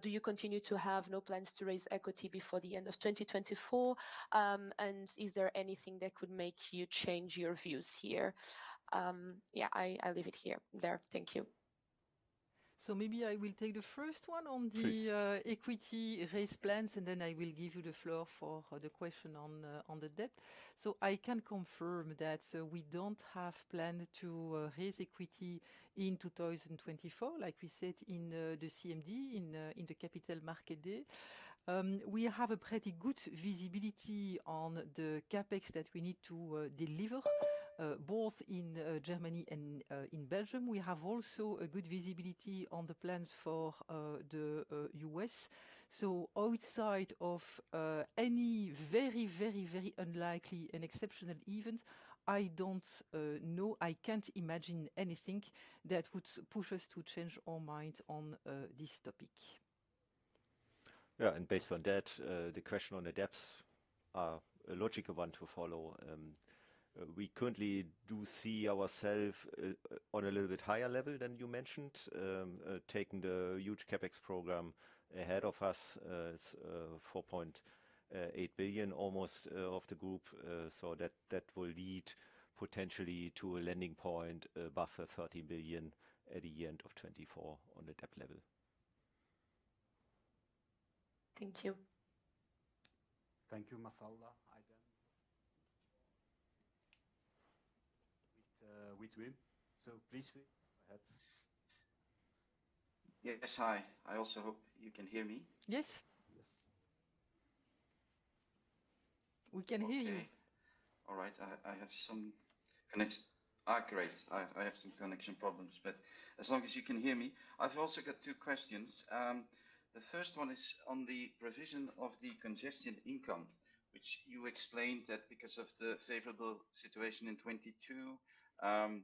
Do you continue to have no plans to raise equity before the end of 2024? And is there anything that could make you change your views here? Yeah, I leave it there. Thank you. So maybe I will take the first one on the equity raise plans, and then I will give you the floor for the question on the debt. So I can confirm that we don't have plans to raise equity in 2024, like we said in the CMD, in the Capital Market Day. We have a pretty good visibility on the CapEx that we need to deliver, both in Germany and in Belgium. We have also a good visibility on the plans for the U.S. So outside of any very, very, very unlikely and exceptional event, I don't know, I can't imagine anything that would push us to change our minds on this topic. Yeah, and based on that, the question on the debts is a logical one to follow. We currently do see ourselves on a little bit higher level than you mentioned, taking the huge CapEx program ahead of us. It's 4.8 billion almost of the group. So that will lead potentially to a lending point above 30 billion at the end of 2024 on the debt level. Thank you. Thank you, Mafalda. With whom? So please, go ahead. Yes, hi. I also hope you can hear me. Yes. Yes. We can hear you. All right. I have some connection. Great. I have some connection problems. But as long as you can hear me, I've also got two questions. The first one is on the provision of the Congestion Income, which you explained that because of the favorable situation in 2022,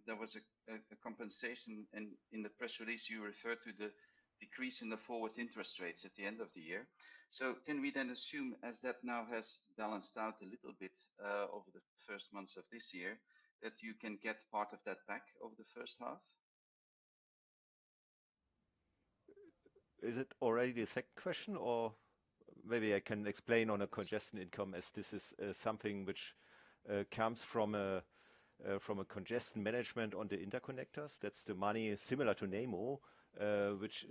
there was a compensation in the press release. You referred to the decrease in the forward interest rates at the end of the year. So can we then assume, as that now has balanced out a little bit over the first months of this year, that you can get part of that back over the first half? Is it already the second question, or maybe I can explain on the Congestion Income as this is something which comes from a congestion management on the interconnectors. That's the money similar to Nemo, which,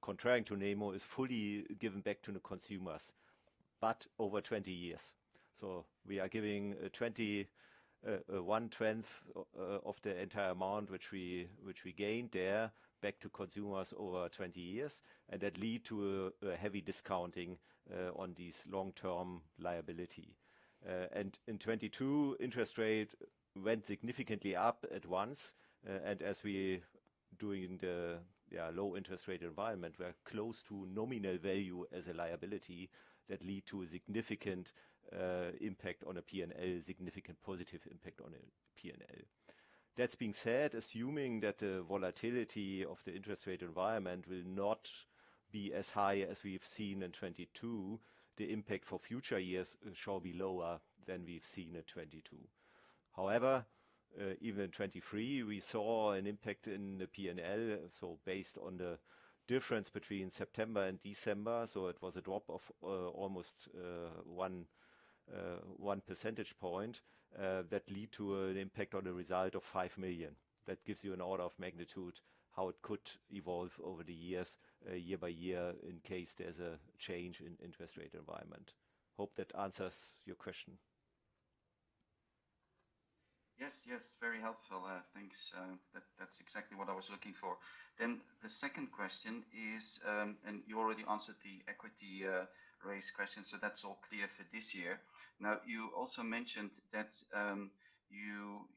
contrary to Nemo, is fully given back to the consumers, but over 20 years. So we are giving 1/10 of the entire amount which we gained there back to consumers over 20 years. And that lead to a heavy discounting on this long-term liability. And in 2022, interest rate went significantly up at once. And as we're doing in the low-interest-rate environment, we're close to nominal value as a liability that lead to a significant impact on a P&L, significant positive impact on a P&L. That being said, assuming that the volatility of the interest-rate environment will not be as high as we've seen in 2022, the impact for future years shall be lower than we've seen in 2022. However, even in 2023, we saw an impact in the P&L, so based on the difference between September and December, so it was a drop of almost 1 percentage point that led to an impact on the result of 5 million. That gives you an order of magnitude how it could evolve over the years, year-by-year, in case there's a change in interest-rate environment. Hope that answers your question. Yes, yes, very helpful. Thanks. That's exactly what I was looking for. Then the second question is, and you already answered the equity raise question, so that's all clear for this year. Now, you also mentioned that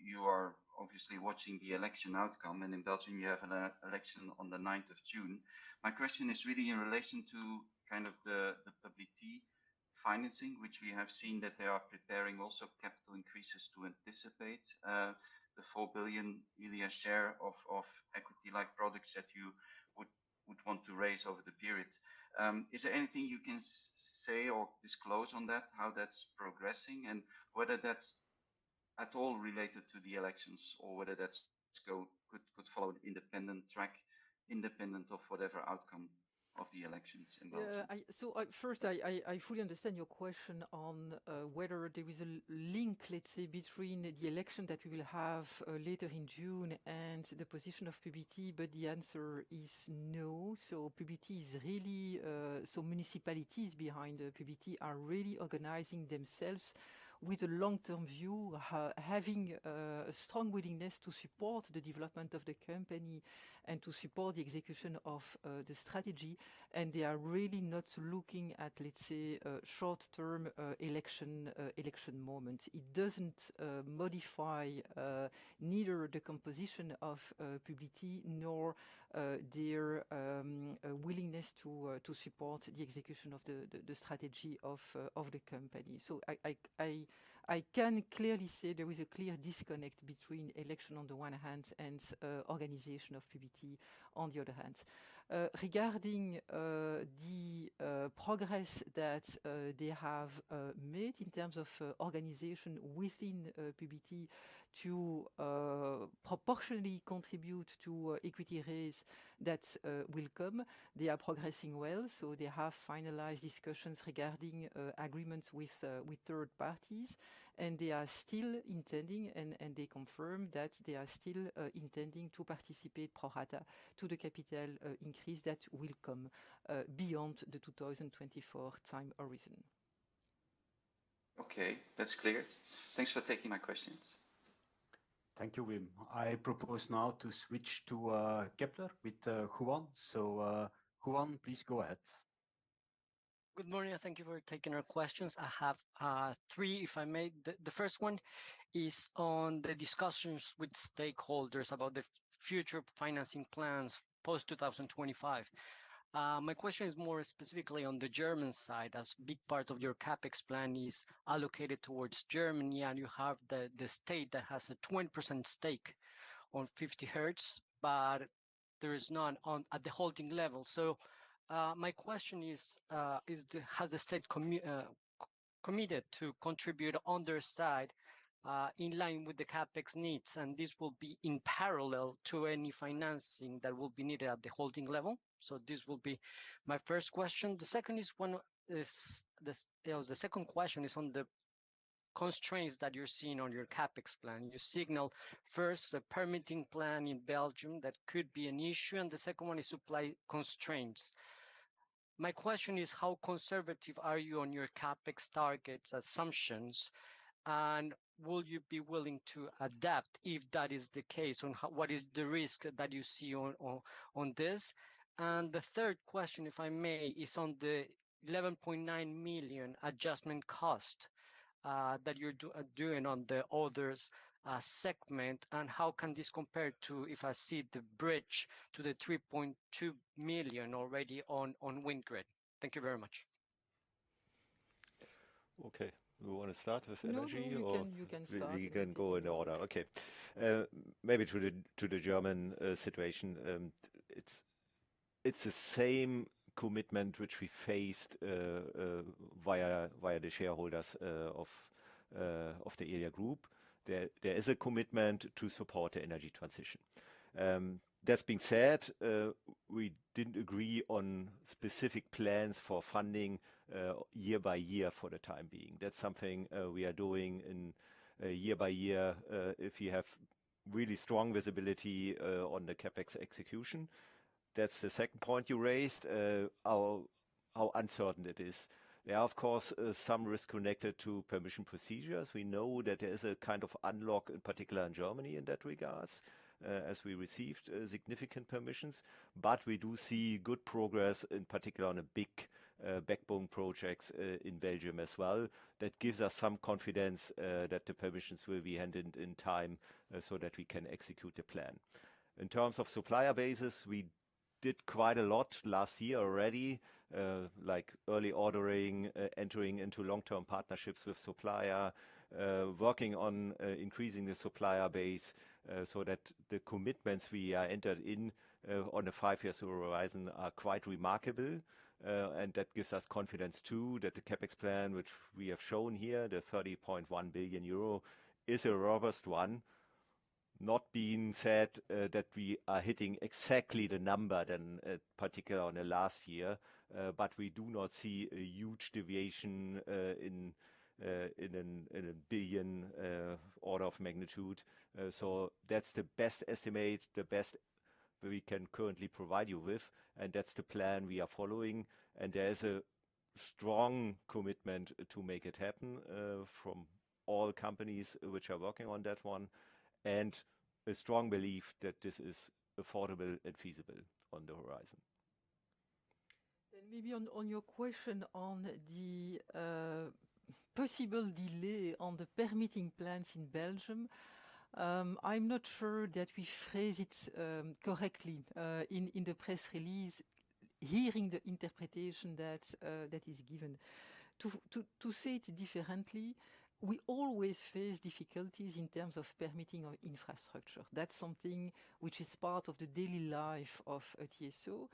you are obviously watching the election outcome. And in Belgium, you have an election on the 9th of June. My question is really in relation to kind of the public financing, which we have seen that they are preparing also capital increases to anticipate, the 4 billion share of equity-like products that you would want to raise over the period. Is there anything you can say or disclose on that, how that's progressing, and whether that's at all related to the elections or whether that could follow an independent track independent of whatever outcome of the elections in Belgium? Yeah. So first, I fully understand your question on whether there is a link, let's say, between the election that we will have later in June and the position of Publi-T, but the answer is no. So Publi-T is really so municipalities behind Publi-T are really organizing themselves with a long-term view, having a strong willingness to support the development of the company and to support the execution of the strategy. And they are really not looking at, let's say, short-term election moments. It doesn't modify neither the composition of Publi-T nor their willingness to support the execution of the strategy of the company. So I can clearly say there is a clear disconnect between election on the one hand and organization of Publi-T on the other hand. Regarding the progress that they have made in terms of organization within Publi-T to proportionally contribute to equity raise that will come, they are progressing well. They have finalized discussions regarding agreements with third parties. They are still intending, and they confirm that they are still intending to participate pro rata to the capital increase that will come beyond the 2024 time horizon. Okay, that's clear. Thanks for taking my questions. Thank you, Wim. I propose now to switch to Kepler with Juan. So Juan, please go ahead. Good morning. Thank you for taking our questions. I have three, if I may. The first one is on the discussions with stakeholders about the future financing plans post-2025. My question is more specifically on the German side as a big part of your CapEx plan is allocated towards Germany, and you have the state that has a 20% stake on 50Hertz, but there is none at the holding level. So my question is, has the state committed to contribute on their side in line with the CapEx needs? And this will be in parallel to any financing that will be needed at the holding level. So this will be my first question. The second one is on the constraints that you're seeing on your CapEx plan. You signal first the permitting plan in Belgium that could be an issue, and the second one is supply constraints. My question is, how conservative are you on your CapEx targets assumptions? And will you be willing to adapt if that is the case? And what is the risk that you see on this? And the third question, if I may, is on the 11.9 million adjustment cost that you're doing on the others' segment, and how can this compare to if I see the bridge to the 3.2 million already on WindGrid? Thank you very much. Okay. Do we want to start with energy, or? No, you can start. We can go in order. Okay. Maybe to the German situation, it's the same commitment which we faced via the shareholders of the Elia Group. There is a commitment to support the energy transition. That being said, we didn't agree on specific plans for funding year by year for the time being. That's something we are doing year-by-year if we have really strong visibility on the CapEx execution. That's the second point you raised, how uncertain it is. There are, of course, some risks connected to permission procedures. We know that there is a kind of unlock, in particular in Germany, in that regard as we received significant permissions. But we do see good progress, in particular on the big backbone projects in Belgium as well. That gives us some confidence that the permissions will be handed in time so that we can execute the plan. In terms of supplier bases, we did quite a lot last year already, like early ordering, entering into long-term partnerships with suppliers, working on increasing the supplier base so that the commitments we are entered in on the five-year horizon are quite remarkable. That gives us confidence too that the CapEx plan, which we have shown here, the 30.1 billion euro, is a robust one. Not being said that we are hitting exactly the number then, in particular on the last year, but we do not see a huge deviation in a billion order of magnitude. That's the best estimate, the best we can currently provide you with. That's the plan we are following. There is a strong commitment to make it happen from all companies which are working on that one and a strong belief that this is affordable and feasible on the horizon. Then maybe on your question on the possible delay on the permitting plans in Belgium, I'm not sure that we phrase it correctly in the press release, hearing the interpretation that is given. To say it differently, we always face difficulties in terms of permitting infrastructure. That's something which is part of the daily life of TSO.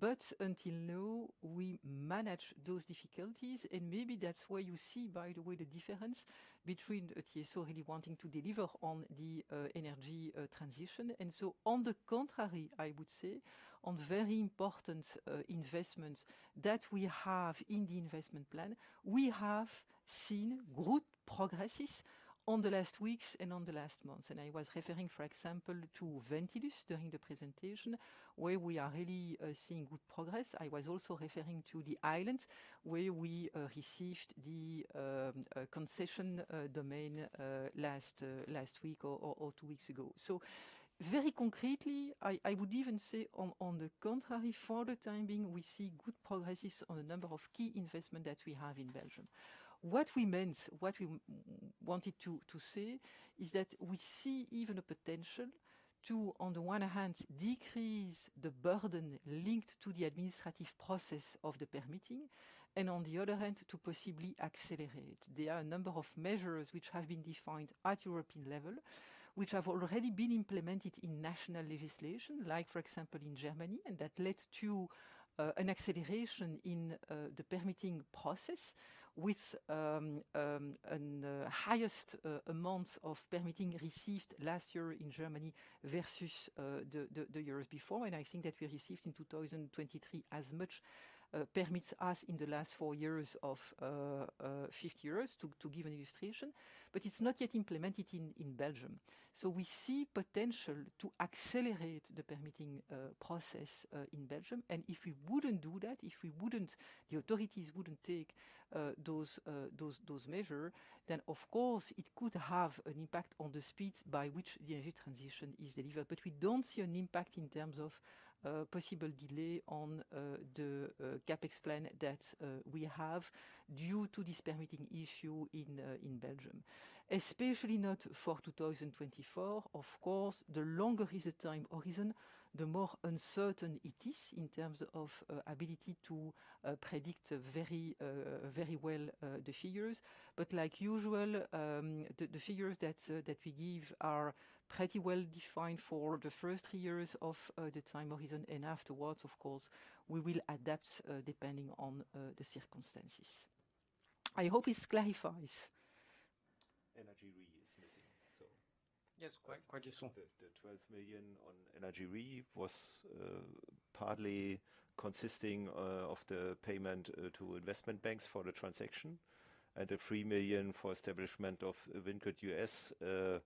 But until now, we manage those difficulties. And maybe that's where you see, by the way, the difference between TSO really wanting to deliver on the energy transition. And so, on the contrary, I would say, on very important investments that we have in the investment plan, we have seen good progresses on the last weeks and on the last months. And I was referring, for example, to Ventilus during the presentation, where we are really seeing good progress. I was also referring to the island where we received the concession domain last week or two weeks ago. So very concretely, I would even say, on the contrary, for the time being, we see good progresses on the number of key investments that we have in Belgium. What we meant, what we wanted to say, is that we see even a potential to, on the one hand, decrease the burden linked to the administrative process of the permitting, and on the other hand, to possibly accelerate it. There are a number of measures which have been defined at European level, which have already been implemented in national legislation, like, for example, in Germany, and that led to an acceleration in the permitting process with the highest amount of permitting received last year in Germany versus the years before. I think that we received in 2023 as much permits as in the last 4 years of 50 years, to give an illustration. It's not yet implemented in Belgium. We see potential to accelerate the permitting process in Belgium. If we wouldn't do that, if the authorities wouldn't take those measures, then, of course, it could have an impact on the speeds by which the energy transition is delivered. We don't see an impact in terms of possible delay on the CapEx plan that we have due to this permitting issue in Belgium. Especially not for 2024. Of course, the longer is the time horizon, the more uncertain it is in terms of ability to predict very well the figures. Like usual, the figures that we give are pretty well defined for the first 3 years of the time horizon. Afterwards, of course, we will adapt depending on the circumstances. I hope it clarifies. energyRe is missing, so. Yes, quite useful. The 12 million on energyRe was partly consisting of the payment to investment banks for the transaction and the 3 million for establishment of WindGrid US. I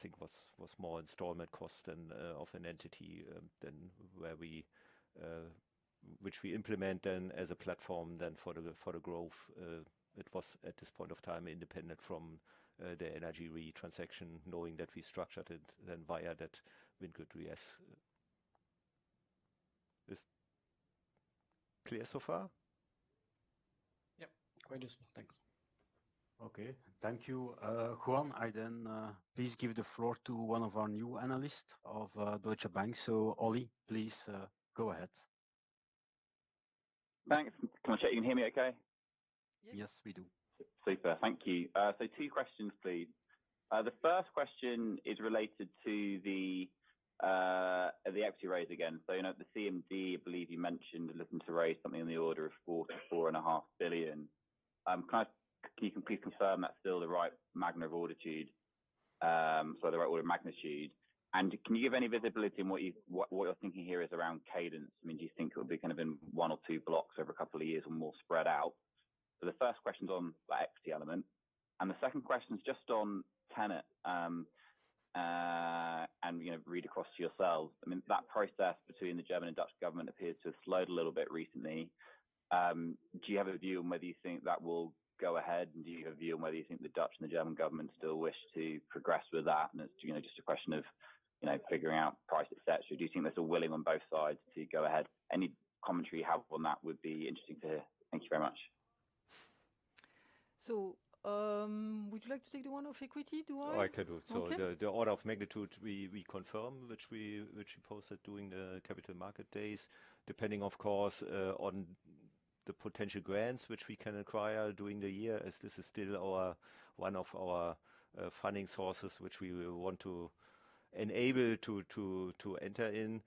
think it was more installment cost than of an entity which we implement then as a platform. Then for the growth, it was at this point of time independent from the energyRe transaction, knowing that we structured it then via that WindGrid US. Is it clear so far? Yep, quite useful. Thanks. Okay, thank you, Juan. I then please give the floor to one of our new analysts of Deutsche Bank. Olly, please go ahead. Thanks. Can you hear me okay? Yes, we do. Super. Thank you. So two questions, please. The first question is related to the equity raise again. So the CMD, I believe you mentioned, intended to raise something on the order of 4-4.5 billion. Can you please confirm that's still the right magnitude? Sorry, the right order of magnitude. And can you give any visibility on what you're thinking here is around cadence? I mean, do you think it would be kind of in one or two blocks over a couple of years or more spread out? So the first question's on that equity element. And the second question's just on TenneT and read across to yourselves. I mean, that process between the German and Dutch government appears to have slowed a little bit recently. Do you have a view on whether you think that will go ahead? Do you have a view on whether you think the Dutch and the German government still wish to progress with that? It's just a question of figuring out price, etc. Do you think there's a willing on both sides to go ahead? Any commentary you have on that would be interesting to hear. Thank you very much. So would you like to take the one of equity? Do I? Oh, I could. So the order of magnitude, we confirm, which we posted during the capital market days, depending, of course, on the potential grants which we can acquire during the year as this is still one of our funding sources which we want to enable to enter in.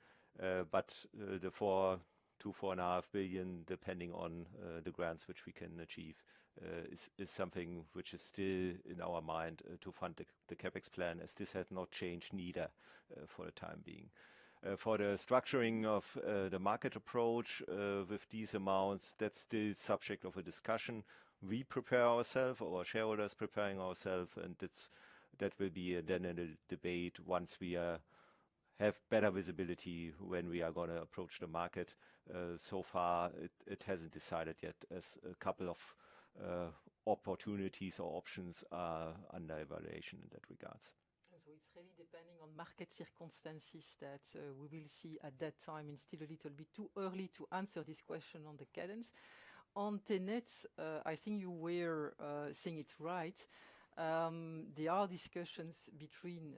But the 2.4 billion-2.5 billion, depending on the grants which we can achieve, is something which is still in our mind to fund the CapEx plan as this has not changed neither for the time being. For the structuring of the market approach with these amounts, that's still subject of a discussion. We prepare ourselves or shareholders preparing ourselves. And that will be then in a debate once we have better visibility when we are going to approach the market. So far, it hasn't decided yet as a couple of opportunities or options are under evaluation in that regards. It's really depending on market circumstances that we will see at that time. It's still a little bit too early to answer this question on the cadence. On TenneT, I think you were saying it right. There are discussions between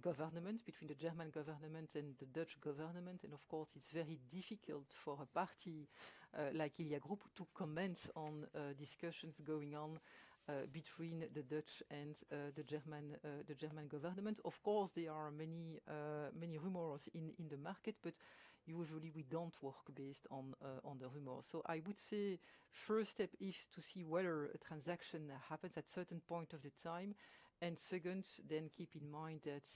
governments, between the German government and the Dutch government. Of course, it's very difficult for a party like Elia Group to comment on discussions going on between the Dutch and the German government. Of course, there are many rumors in the market, but usually, we don't work based on the rumors. I would say the first step is to see whether a transaction happens at a certain point of the time. Second, then keep in mind that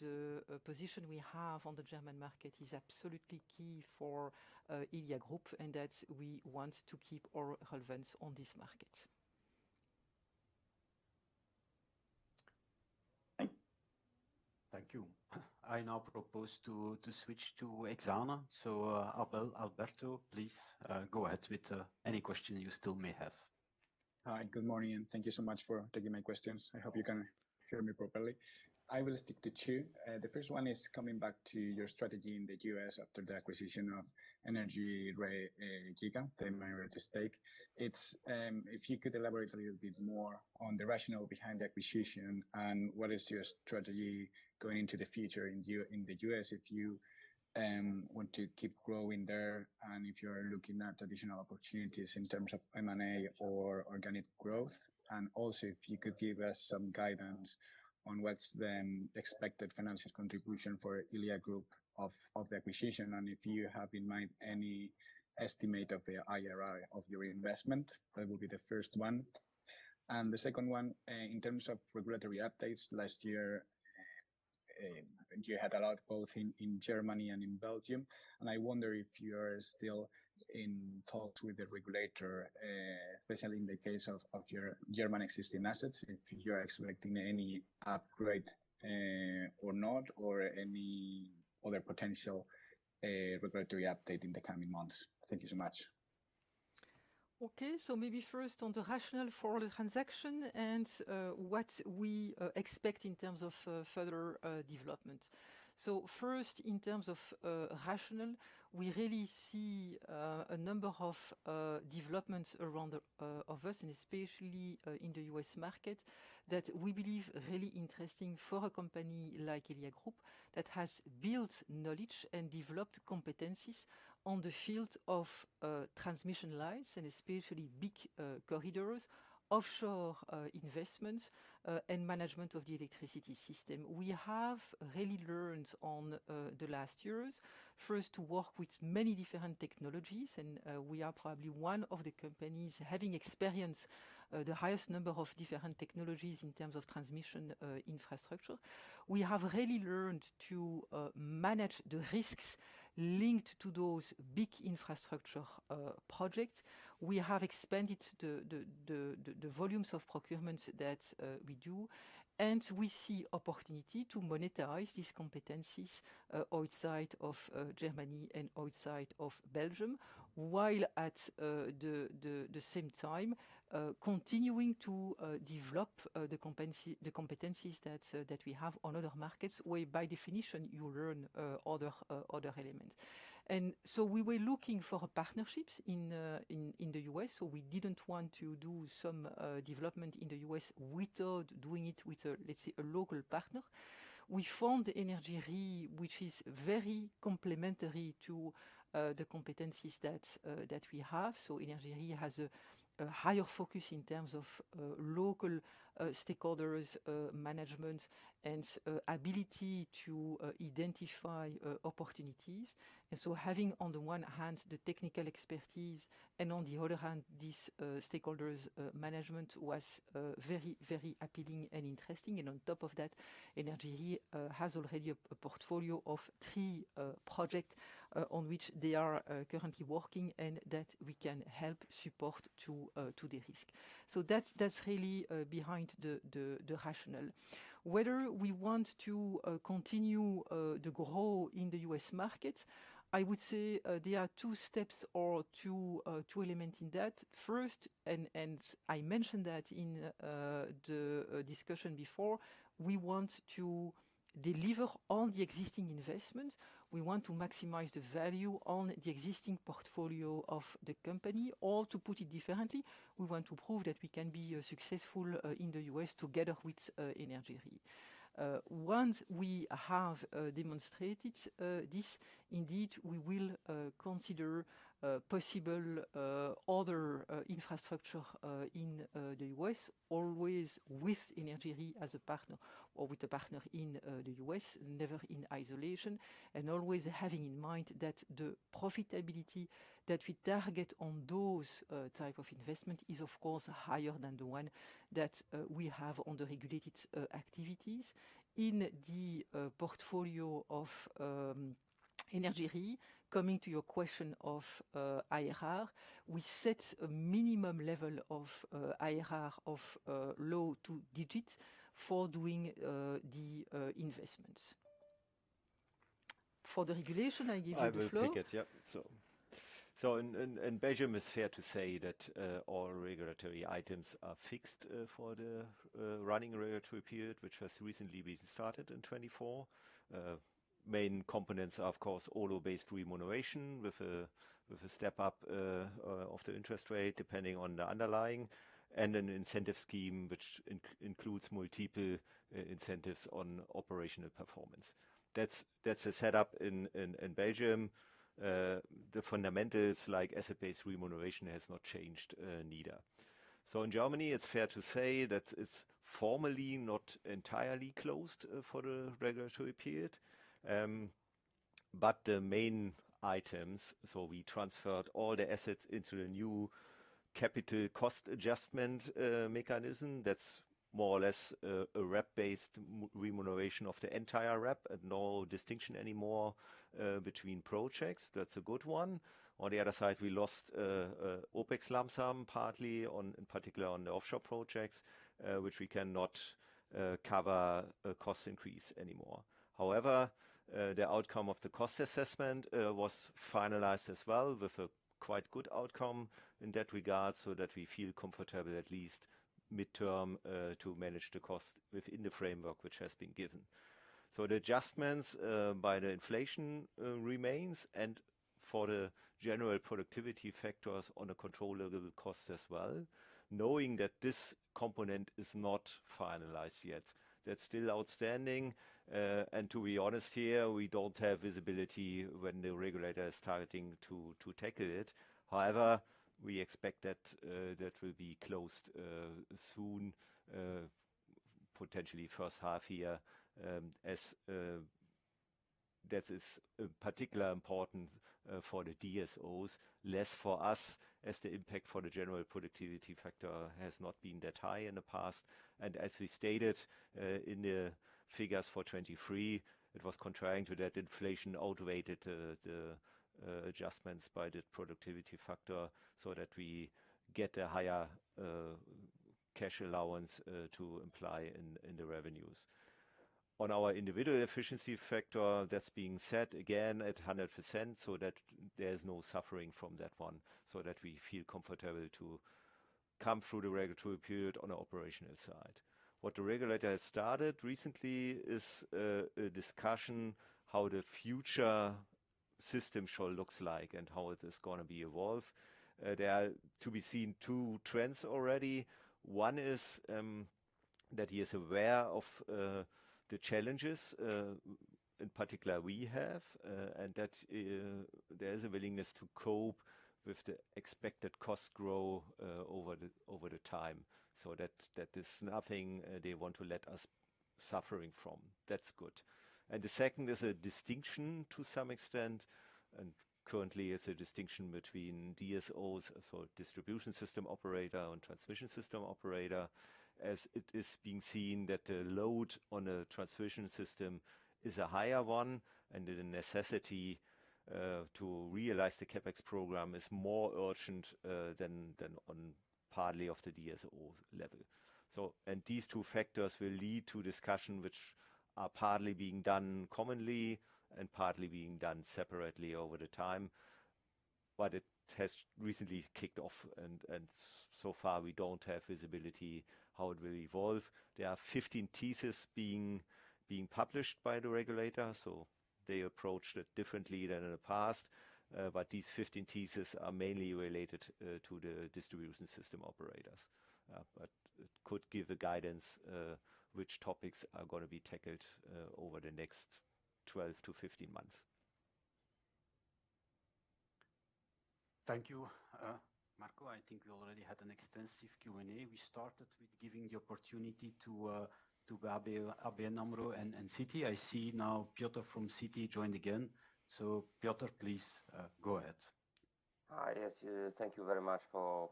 the position we have on the German market is absolutely key for Elia Group and that we want to keep our relevance on this market. Thank you. I now propose to switch to Exane. Alberto, please go ahead with any question you still may have. Hi, good morning. Thank you so much for taking my questions. I hope you can hear me properly. I will stick to two. The first one is coming back to your strategy in the U.S. after the acquisition of energyRe, the majority stake. If you could elaborate a little bit more on the rationale behind the acquisition and what is your strategy going into the future in the U.S. if you want to keep growing there and if you are looking at additional opportunities in terms of M&A or organic growth. Also, if you could give us some guidance on what's the expected financial contribution for Elia Group of the acquisition and if you have in mind any estimate of the IRR of your investment. That will be the first one. And the second one, in terms of regulatory updates, last year, you had a lot both in Germany and in Belgium. And I wonder if you are still in talks with the regulator, especially in the case of your German existing assets, if you are expecting any upgrade or not or any other potential regulatory update in the coming months. Thank you so much. Okay, so maybe first on the rationale for the transaction and what we expect in terms of further development. So first, in terms of rationale, we really see a number of developments around us and especially in the U.S. market that we believe are really interesting for a company like Elia Group that has built knowledge and developed competencies on the field of transmission lines and especially big corridors, offshore investments, and management of the electricity system. We have really learned in the last years, first, to work with many different technologies. And we are probably one of the companies having experienced the highest number of different technologies in terms of transmission infrastructure. We have really learned to manage the risks linked to those big infrastructure projects. We have expanded the volumes of procurements that we do. And we see opportunity to monetize these competencies outside of Germany and outside of Belgium, while at the same time, continuing to develop the competencies that we have on other markets where, by definition, you learn other elements. And so we were looking for partnerships in the U.S. So we didn't want to do some development in the U.S. without doing it with, let's say, a local partner. We found energyRe, which is very complementary to the competencies that we have. So energyRe has a higher focus in terms of local stakeholders' management and ability to identify opportunities. And so having, on the one hand, the technical expertise and on the other hand, this stakeholders' management was very, very appealing and interesting. And on top of that, energyRe has already a portfolio of three projects on which they are currently working and that we can help support to the risk. So that's really behind the rationale. Whether we want to continue to grow in the U.S. market, I would say there are two steps or two elements in that. First, and I mentioned that in the discussion before, we want to deliver on the existing investments. We want to maximize the value on the existing portfolio of the company. Or to put it differently, we want to prove that we can be successful in the U.S. together with EnergyRe. Once we have demonstrated this, indeed, we will consider possible other infrastructure in the U.S., always with EnergyRe as a partner or with a partner in the U.S., never in isolation, and always having in mind that the profitability that we target on those types of investments is, of course, higher than the one that we have on the regulated activities. In the portfolio of energyRe, coming to your question of IRR, we set a minimum level of IRR of low double-digit for doing the investments. For the regulation, I give you the floor. I have a ticket, yeah. So in Belgium, it's fair to say that all regulatory items are fixed for the running regulatory period, which has recently been started in 2024. Main components are, of course, asset-based remuneration with a step-up of the interest rate depending on the underlying, and an incentive scheme which includes multiple incentives on operational performance. That's the setup in Belgium. The fundamentals like asset-based remuneration have not changed neither. So in Germany, it's fair to say that it's formally not entirely closed for the regulatory period. But the main items, so we transferred all the assets into the new Capital Cost Adjustment Mechanism. That's more or less a RAB-based remuneration of the entire RAB and no distinction anymore between projects. That's a good one. On the other side, we lost OpEx lump sum partly, in particular on the offshore projects, which we cannot cover cost increase anymore. However, the outcome of the cost assessment was finalized as well with a quite good outcome in that regard so that we feel comfortable, at least mid-term, to manage the cost within the framework which has been given. So the adjustments by the inflation remain and for the general productivity factors on the controllable costs as well, knowing that this component is not finalized yet. That's still outstanding. And to be honest here, we don't have visibility when the regulator is targeting to tackle it. However, we expect that that will be closed soon, potentially first half year, as that is particularly important for the DSOs, less for us as the impact for the general productivity factor has not been that high in the past. As we stated in the figures for 2023, it was contrary to that. Inflation outweighed the adjustments by the productivity factor so that we get a higher cash allowance to apply in the revenues. On our individual efficiency factor, that's being set again at 100% so that there's no suffering from that one so that we feel comfortable to come through the regulatory period on the operational side. What the regulator has started recently is a discussion on how the future system shall look like and how it is going to be evolved. There are to be seen two trends already. One is that he is aware of the challenges, in particular, we have, and that there is a willingness to cope with the expected cost growth over the time so that there's nothing they want to let us suffer from. That's good. The second is a distinction to some extent. Currently, it's a distinction between DSOs, so distribution system operator, and transmission system operator, as it is being seen that the load on a transmission system is a higher one and the necessity to realize the CapEx program is more urgent than on partly of the DSO level. These two factors will lead to discussions which are partly being done commonly and partly being done separately over the time. But it has recently kicked off. So far, we don't have visibility on how it will evolve. There are 15 theses being published by the regulator. They approached it differently than in the past. These 15 theses are mainly related to the distribution system operators. But it could give the guidance on which topics are going to be tackled over the next 12-15 months. Thank you, Marco. I think we already had an extensive Q&A. We started with giving the opportunity to ABN AMRO and Citi. I see now Piotr from Citi joined again. So Piotr, please go ahead. Yes, thank you very much for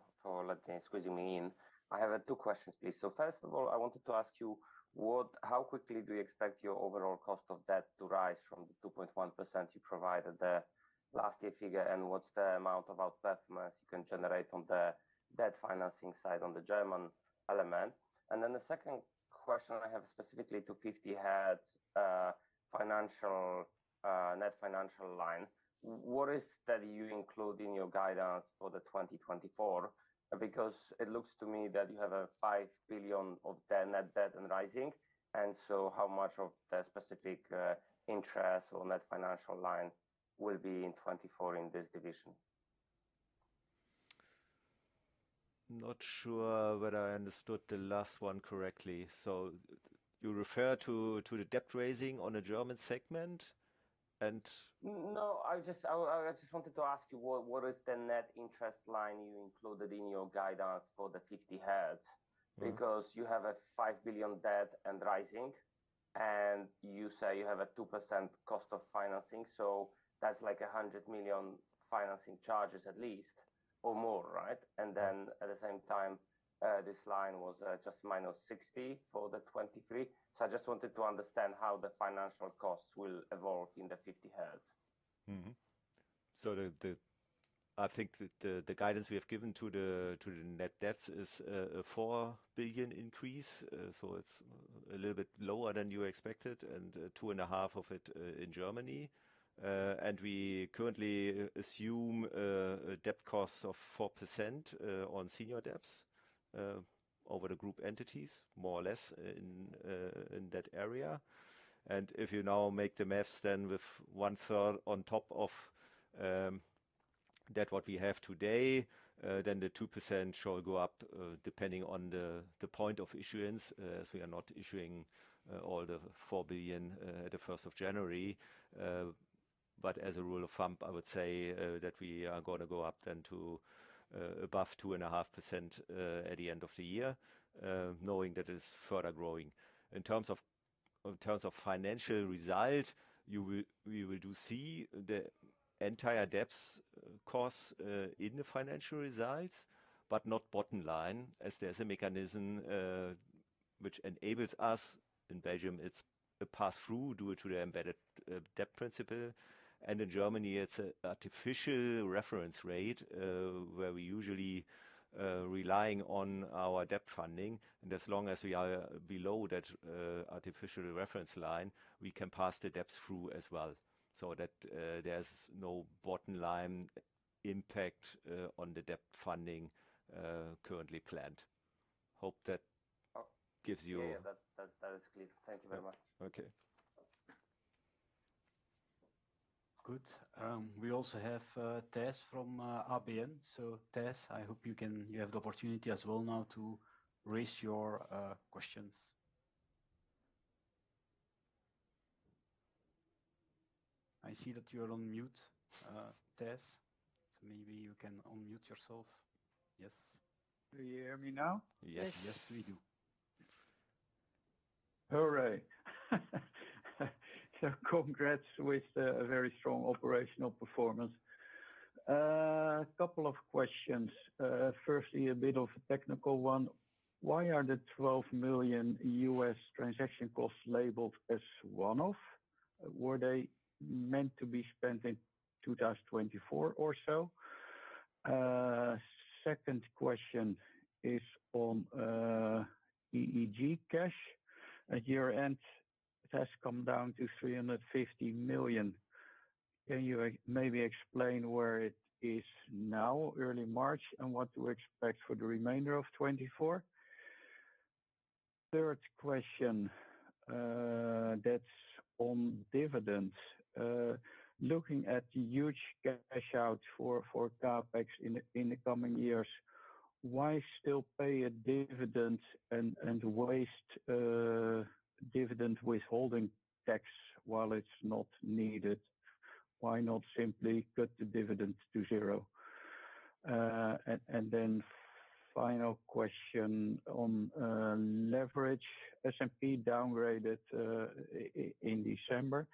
squeezing me in. I have two questions, please. So first of all, I wanted to ask you, how quickly do you expect your overall cost of debt to rise from the 2.1% you provided the last year figure? And what's the amount of outperformance you can generate on the debt financing side on the German element? And then the second question I have specifically to 50Hertz net financial line, what is that you include in your guidance for 2024? Because it looks to me that you have a 5 billion net debt rising. And so how much of the specific interest or net financial line will be in 2024 in this division? Not sure whether I understood the last one correctly. So you refer to the debt raising on the German segment, and? No, I just wanted to ask you, what is the net interest line you included in your guidance for 50Hertz? Because you have a 5 billion debt rising. And you say you have a 2% cost of financing. So that's like 100 million financing charges at least or more, right? And then at the same time, this line was just minus 60 million for 2023. So I just wanted to understand how the financial costs will evolve in the 50Hertz. So I think the guidance we have given to the net debt is a 4 billion increase. So it's a little bit lower than you expected and 2.5 of it in Germany. And we currently assume a debt cost of 4% on senior debt over the group entities, more or less, in that area. And if you now make the math, then with 1/3 on top of that, what we have today, then the 2% shall go up depending on the point of issuance, as we are not issuing all the 4 billion at the 1st of January. But as a rule of thumb, I would say that we are going to go up then to above 2.5% at the end of the year, knowing that it is further growing. In terms of financial result, we do see the entire debt cost in the financial results, but not bottom line, as there's a mechanism which enables us. In Belgium, it's a pass-through due to the embedded debt principle. And in Germany, it's an artificial reference rate where we're usually relying on our debt funding. And as long as we are below that artificial reference line, we can pass the debt through as well so that there's no bottom line impact on the debt funding currently planned. Hope that gives you. Yeah, that is clear. Thank you very much. Okay. Good. We also have Thijs from ABN AMRO. So Thijs, I hope you have the opportunity as well now to raise your questions. I see that you're on mute, Thijs. So maybe you can unmute yourself. Yes? Do you hear me now? Yes, yes, we do. All right. So congrats with a very strong operational performance. A couple of questions. Firstly, a bit of a technical one. Why are the $12 million U.S. transaction costs labeled as one-off? Were they meant to be spent in 2024 or so? Second question is on EEG cash. At year-end, it has come down to 350 million. Can you maybe explain where it is now, early March, and what to expect for the remainder of 2024? Third question, that's on dividends. Looking at the huge cash-out for CapEx in the coming years, why still pay a dividend and waste dividend withholding tax while it's not needed? Why not simply cut the dividend to zero? And then final question on leverage. S&P downgraded in December.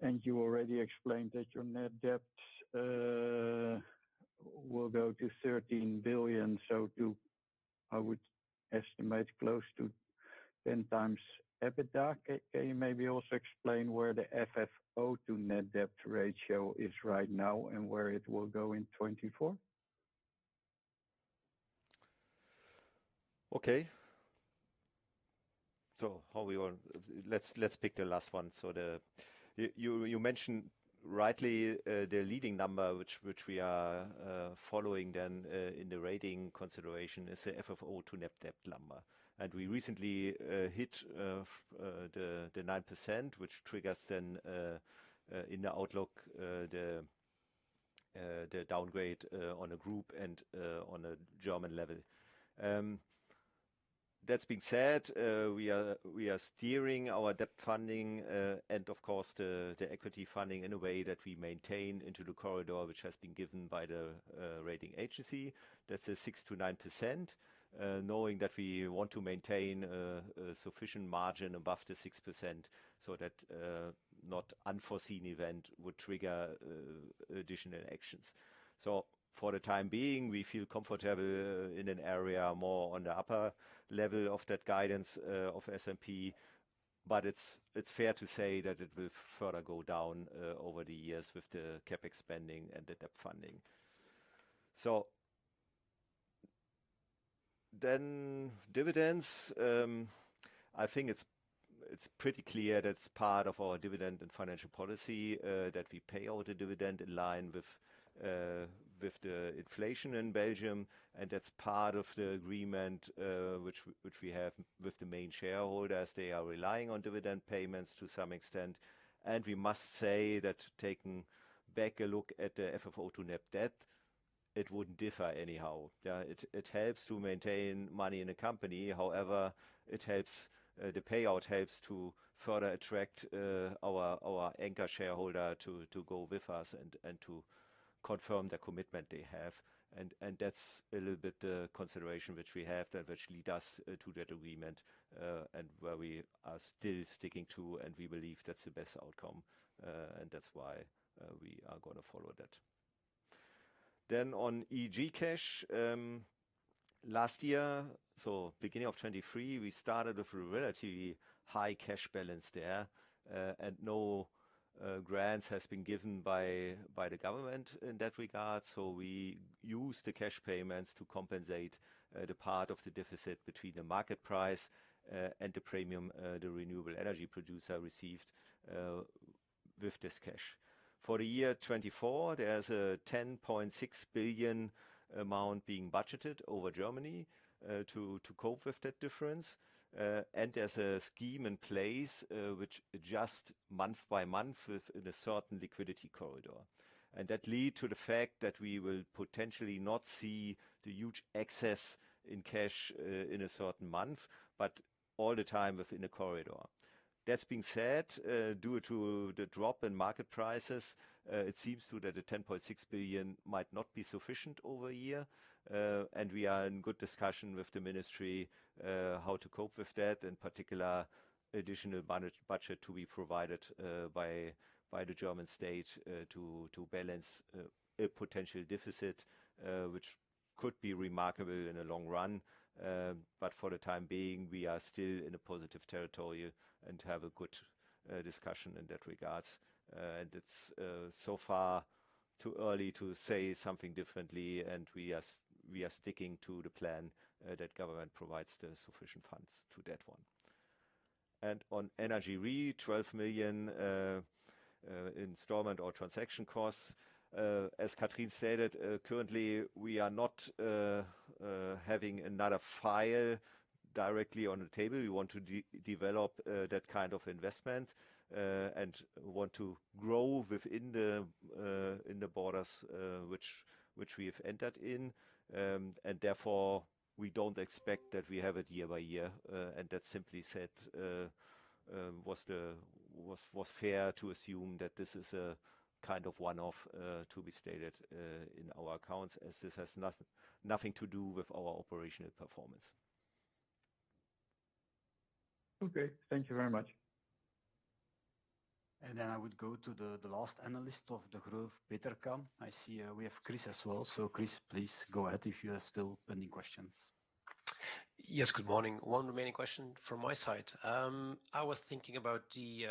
And you already explained that your net debt will go to 13 billion. So I would estimate close to 10 times EBITDA. Can you maybe also explain where the FFO to net debt ratio is right now and where it will go in 2024? Okay. So how we are, let's pick the last one. So you mentioned rightly the leading number, which we are following then in the rating consideration, is the FFO to net debt number. And we recently hit the 9%, which triggers then in the outlook the downgrade on a group and on a German level. That being said, we are steering our debt funding and, of course, the equity funding in a way that we maintain into the corridor, which has been given by the rating agency. That's a 6%-9%, knowing that we want to maintain a sufficient margin above the 6% so that not an unforeseen event would trigger additional actions. So for the time being, we feel comfortable in an area more on the upper level of that guidance of S&P. It's fair to say that it will further go down over the years with the CapEx spending and the debt funding. Dividends, I think it's pretty clear that's part of our dividend and financial policy, that we pay out the dividend in line with the inflation in Belgium. That's part of the agreement which we have with the main shareholders. They are relying on dividend payments to some extent. We must say that taking back a look at the FFO to net debt, it wouldn't differ anyhow. It helps to maintain money in a company. However, the payout helps to further attract our anchor shareholder to go with us and to confirm the commitment they have. That's a little bit the consideration which we have that actually does to that agreement and where we are still sticking to. We believe that's the best outcome. That's why we are going to follow that. Then on EEG cash, last year, so beginning of 2023, we started with a relatively high cash balance there. No grants have been given by the government in that regard. So we use the cash payments to compensate the part of the deficit between the market price and the premium the renewable energy producer received with this cash. For the year 2024, there's a 10.6 billion amount being budgeted over Germany to cope with that difference. There's a scheme in place which adjusts month by month within a certain liquidity corridor. That leads to the fact that we will potentially not see the huge excess in cash in a certain month, but all the time within a corridor. That being said, due to the drop in market prices, it seems to that the 10.6 billion might not be sufficient over year. We are in good discussion with the ministry on how to cope with that and particular additional budget to be provided by the German state to balance a potential deficit, which could be remarkable in the long run. But for the time being, we are still in a positive territory and have a good discussion in that regard. It's so far too early to say something differently. We are sticking to the plan that government provides the sufficient funds to that one. On energyRe, 12 million installment or transaction costs. As Catherine stated, currently, we are not having another file directly on the table. We want to develop that kind of investment and want to grow within the borders which we have entered in. And therefore, we don't expect that we have it year by year. And that simply said was fair to assume that this is a kind of one-off to be stated in our accounts, as this has nothing to do with our operational performance. Okay. Thank you very much. And then I would go to the last analyst of the group, Petercam. I see we have Kris as well. So Kris, please go ahead if you have still pending questions? Yes, good morning. One remaining question from my side. I was thinking about the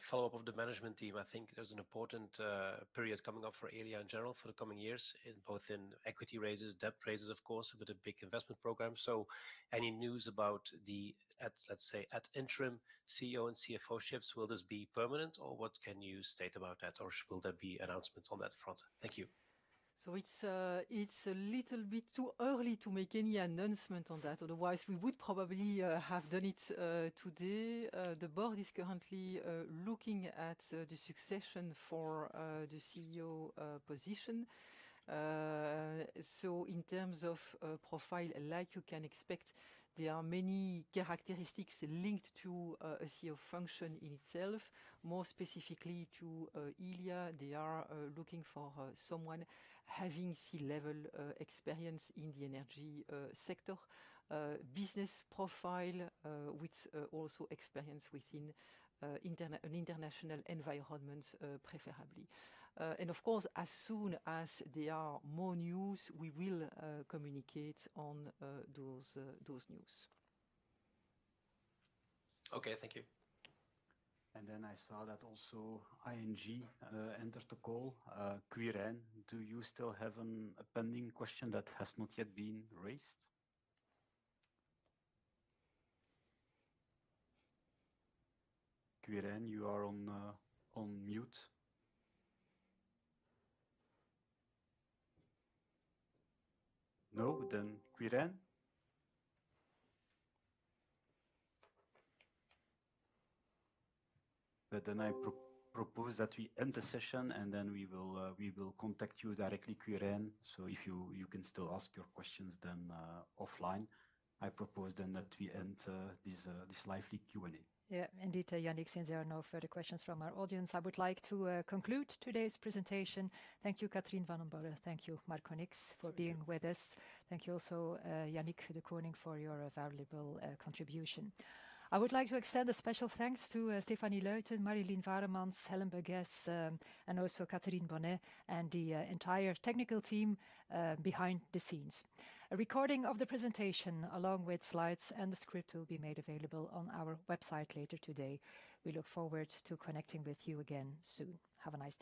follow-up of the management team. I think there's an important period coming up for Elia in general for the coming years, both in equity raises, debt raises, of course, with a big investment program. So any news about the, let's say, interim CEO and CFO shifts? Will this be permanent, or what can you state about that? Or will there be announcements on that front? Thank you. It's a little bit too early to make any announcement on that. Otherwise, we would probably have done it today. The board is currently looking at the succession for the CEO position. In terms of profile, like you can expect, there are many characteristics linked to a CEO function in itself. More specifically to Elia, they are looking for someone having C-level experience in the energy sector, business profile with also experience within an international environment, preferably. Of course, as soon as there are more news, we will communicate on those news. Okay. Thank you. And then I saw that also ING entered the call. Quirijn, do you still have a pending question that has not yet been raised? Quirijn, you are on mute. No? Then Quirijn? Then I propose that we end the session, and then we will contact you directly, Quirijn. So if you can still ask your questions then offline, I propose then that we end this lively Q&A. Yeah, indeed, Yannick, since there are no further questions from our audience, I would like to conclude today's presentation. Thank you, Catherine Vandenborre. Thank you, Marco Nix, for being with us. Thank you also, Yannick Dekoninck, for your valuable contribution. I would like to extend a special thanks to Stéphanie Luyten, Marleen Vanhecke, Helen Bergesse, and also Catherine Bonnet and the entire technical team behind the scenes. A recording of the presentation, along with slides and the script, will be made available on our website later today. We look forward to connecting with you again soon. Have a nice day.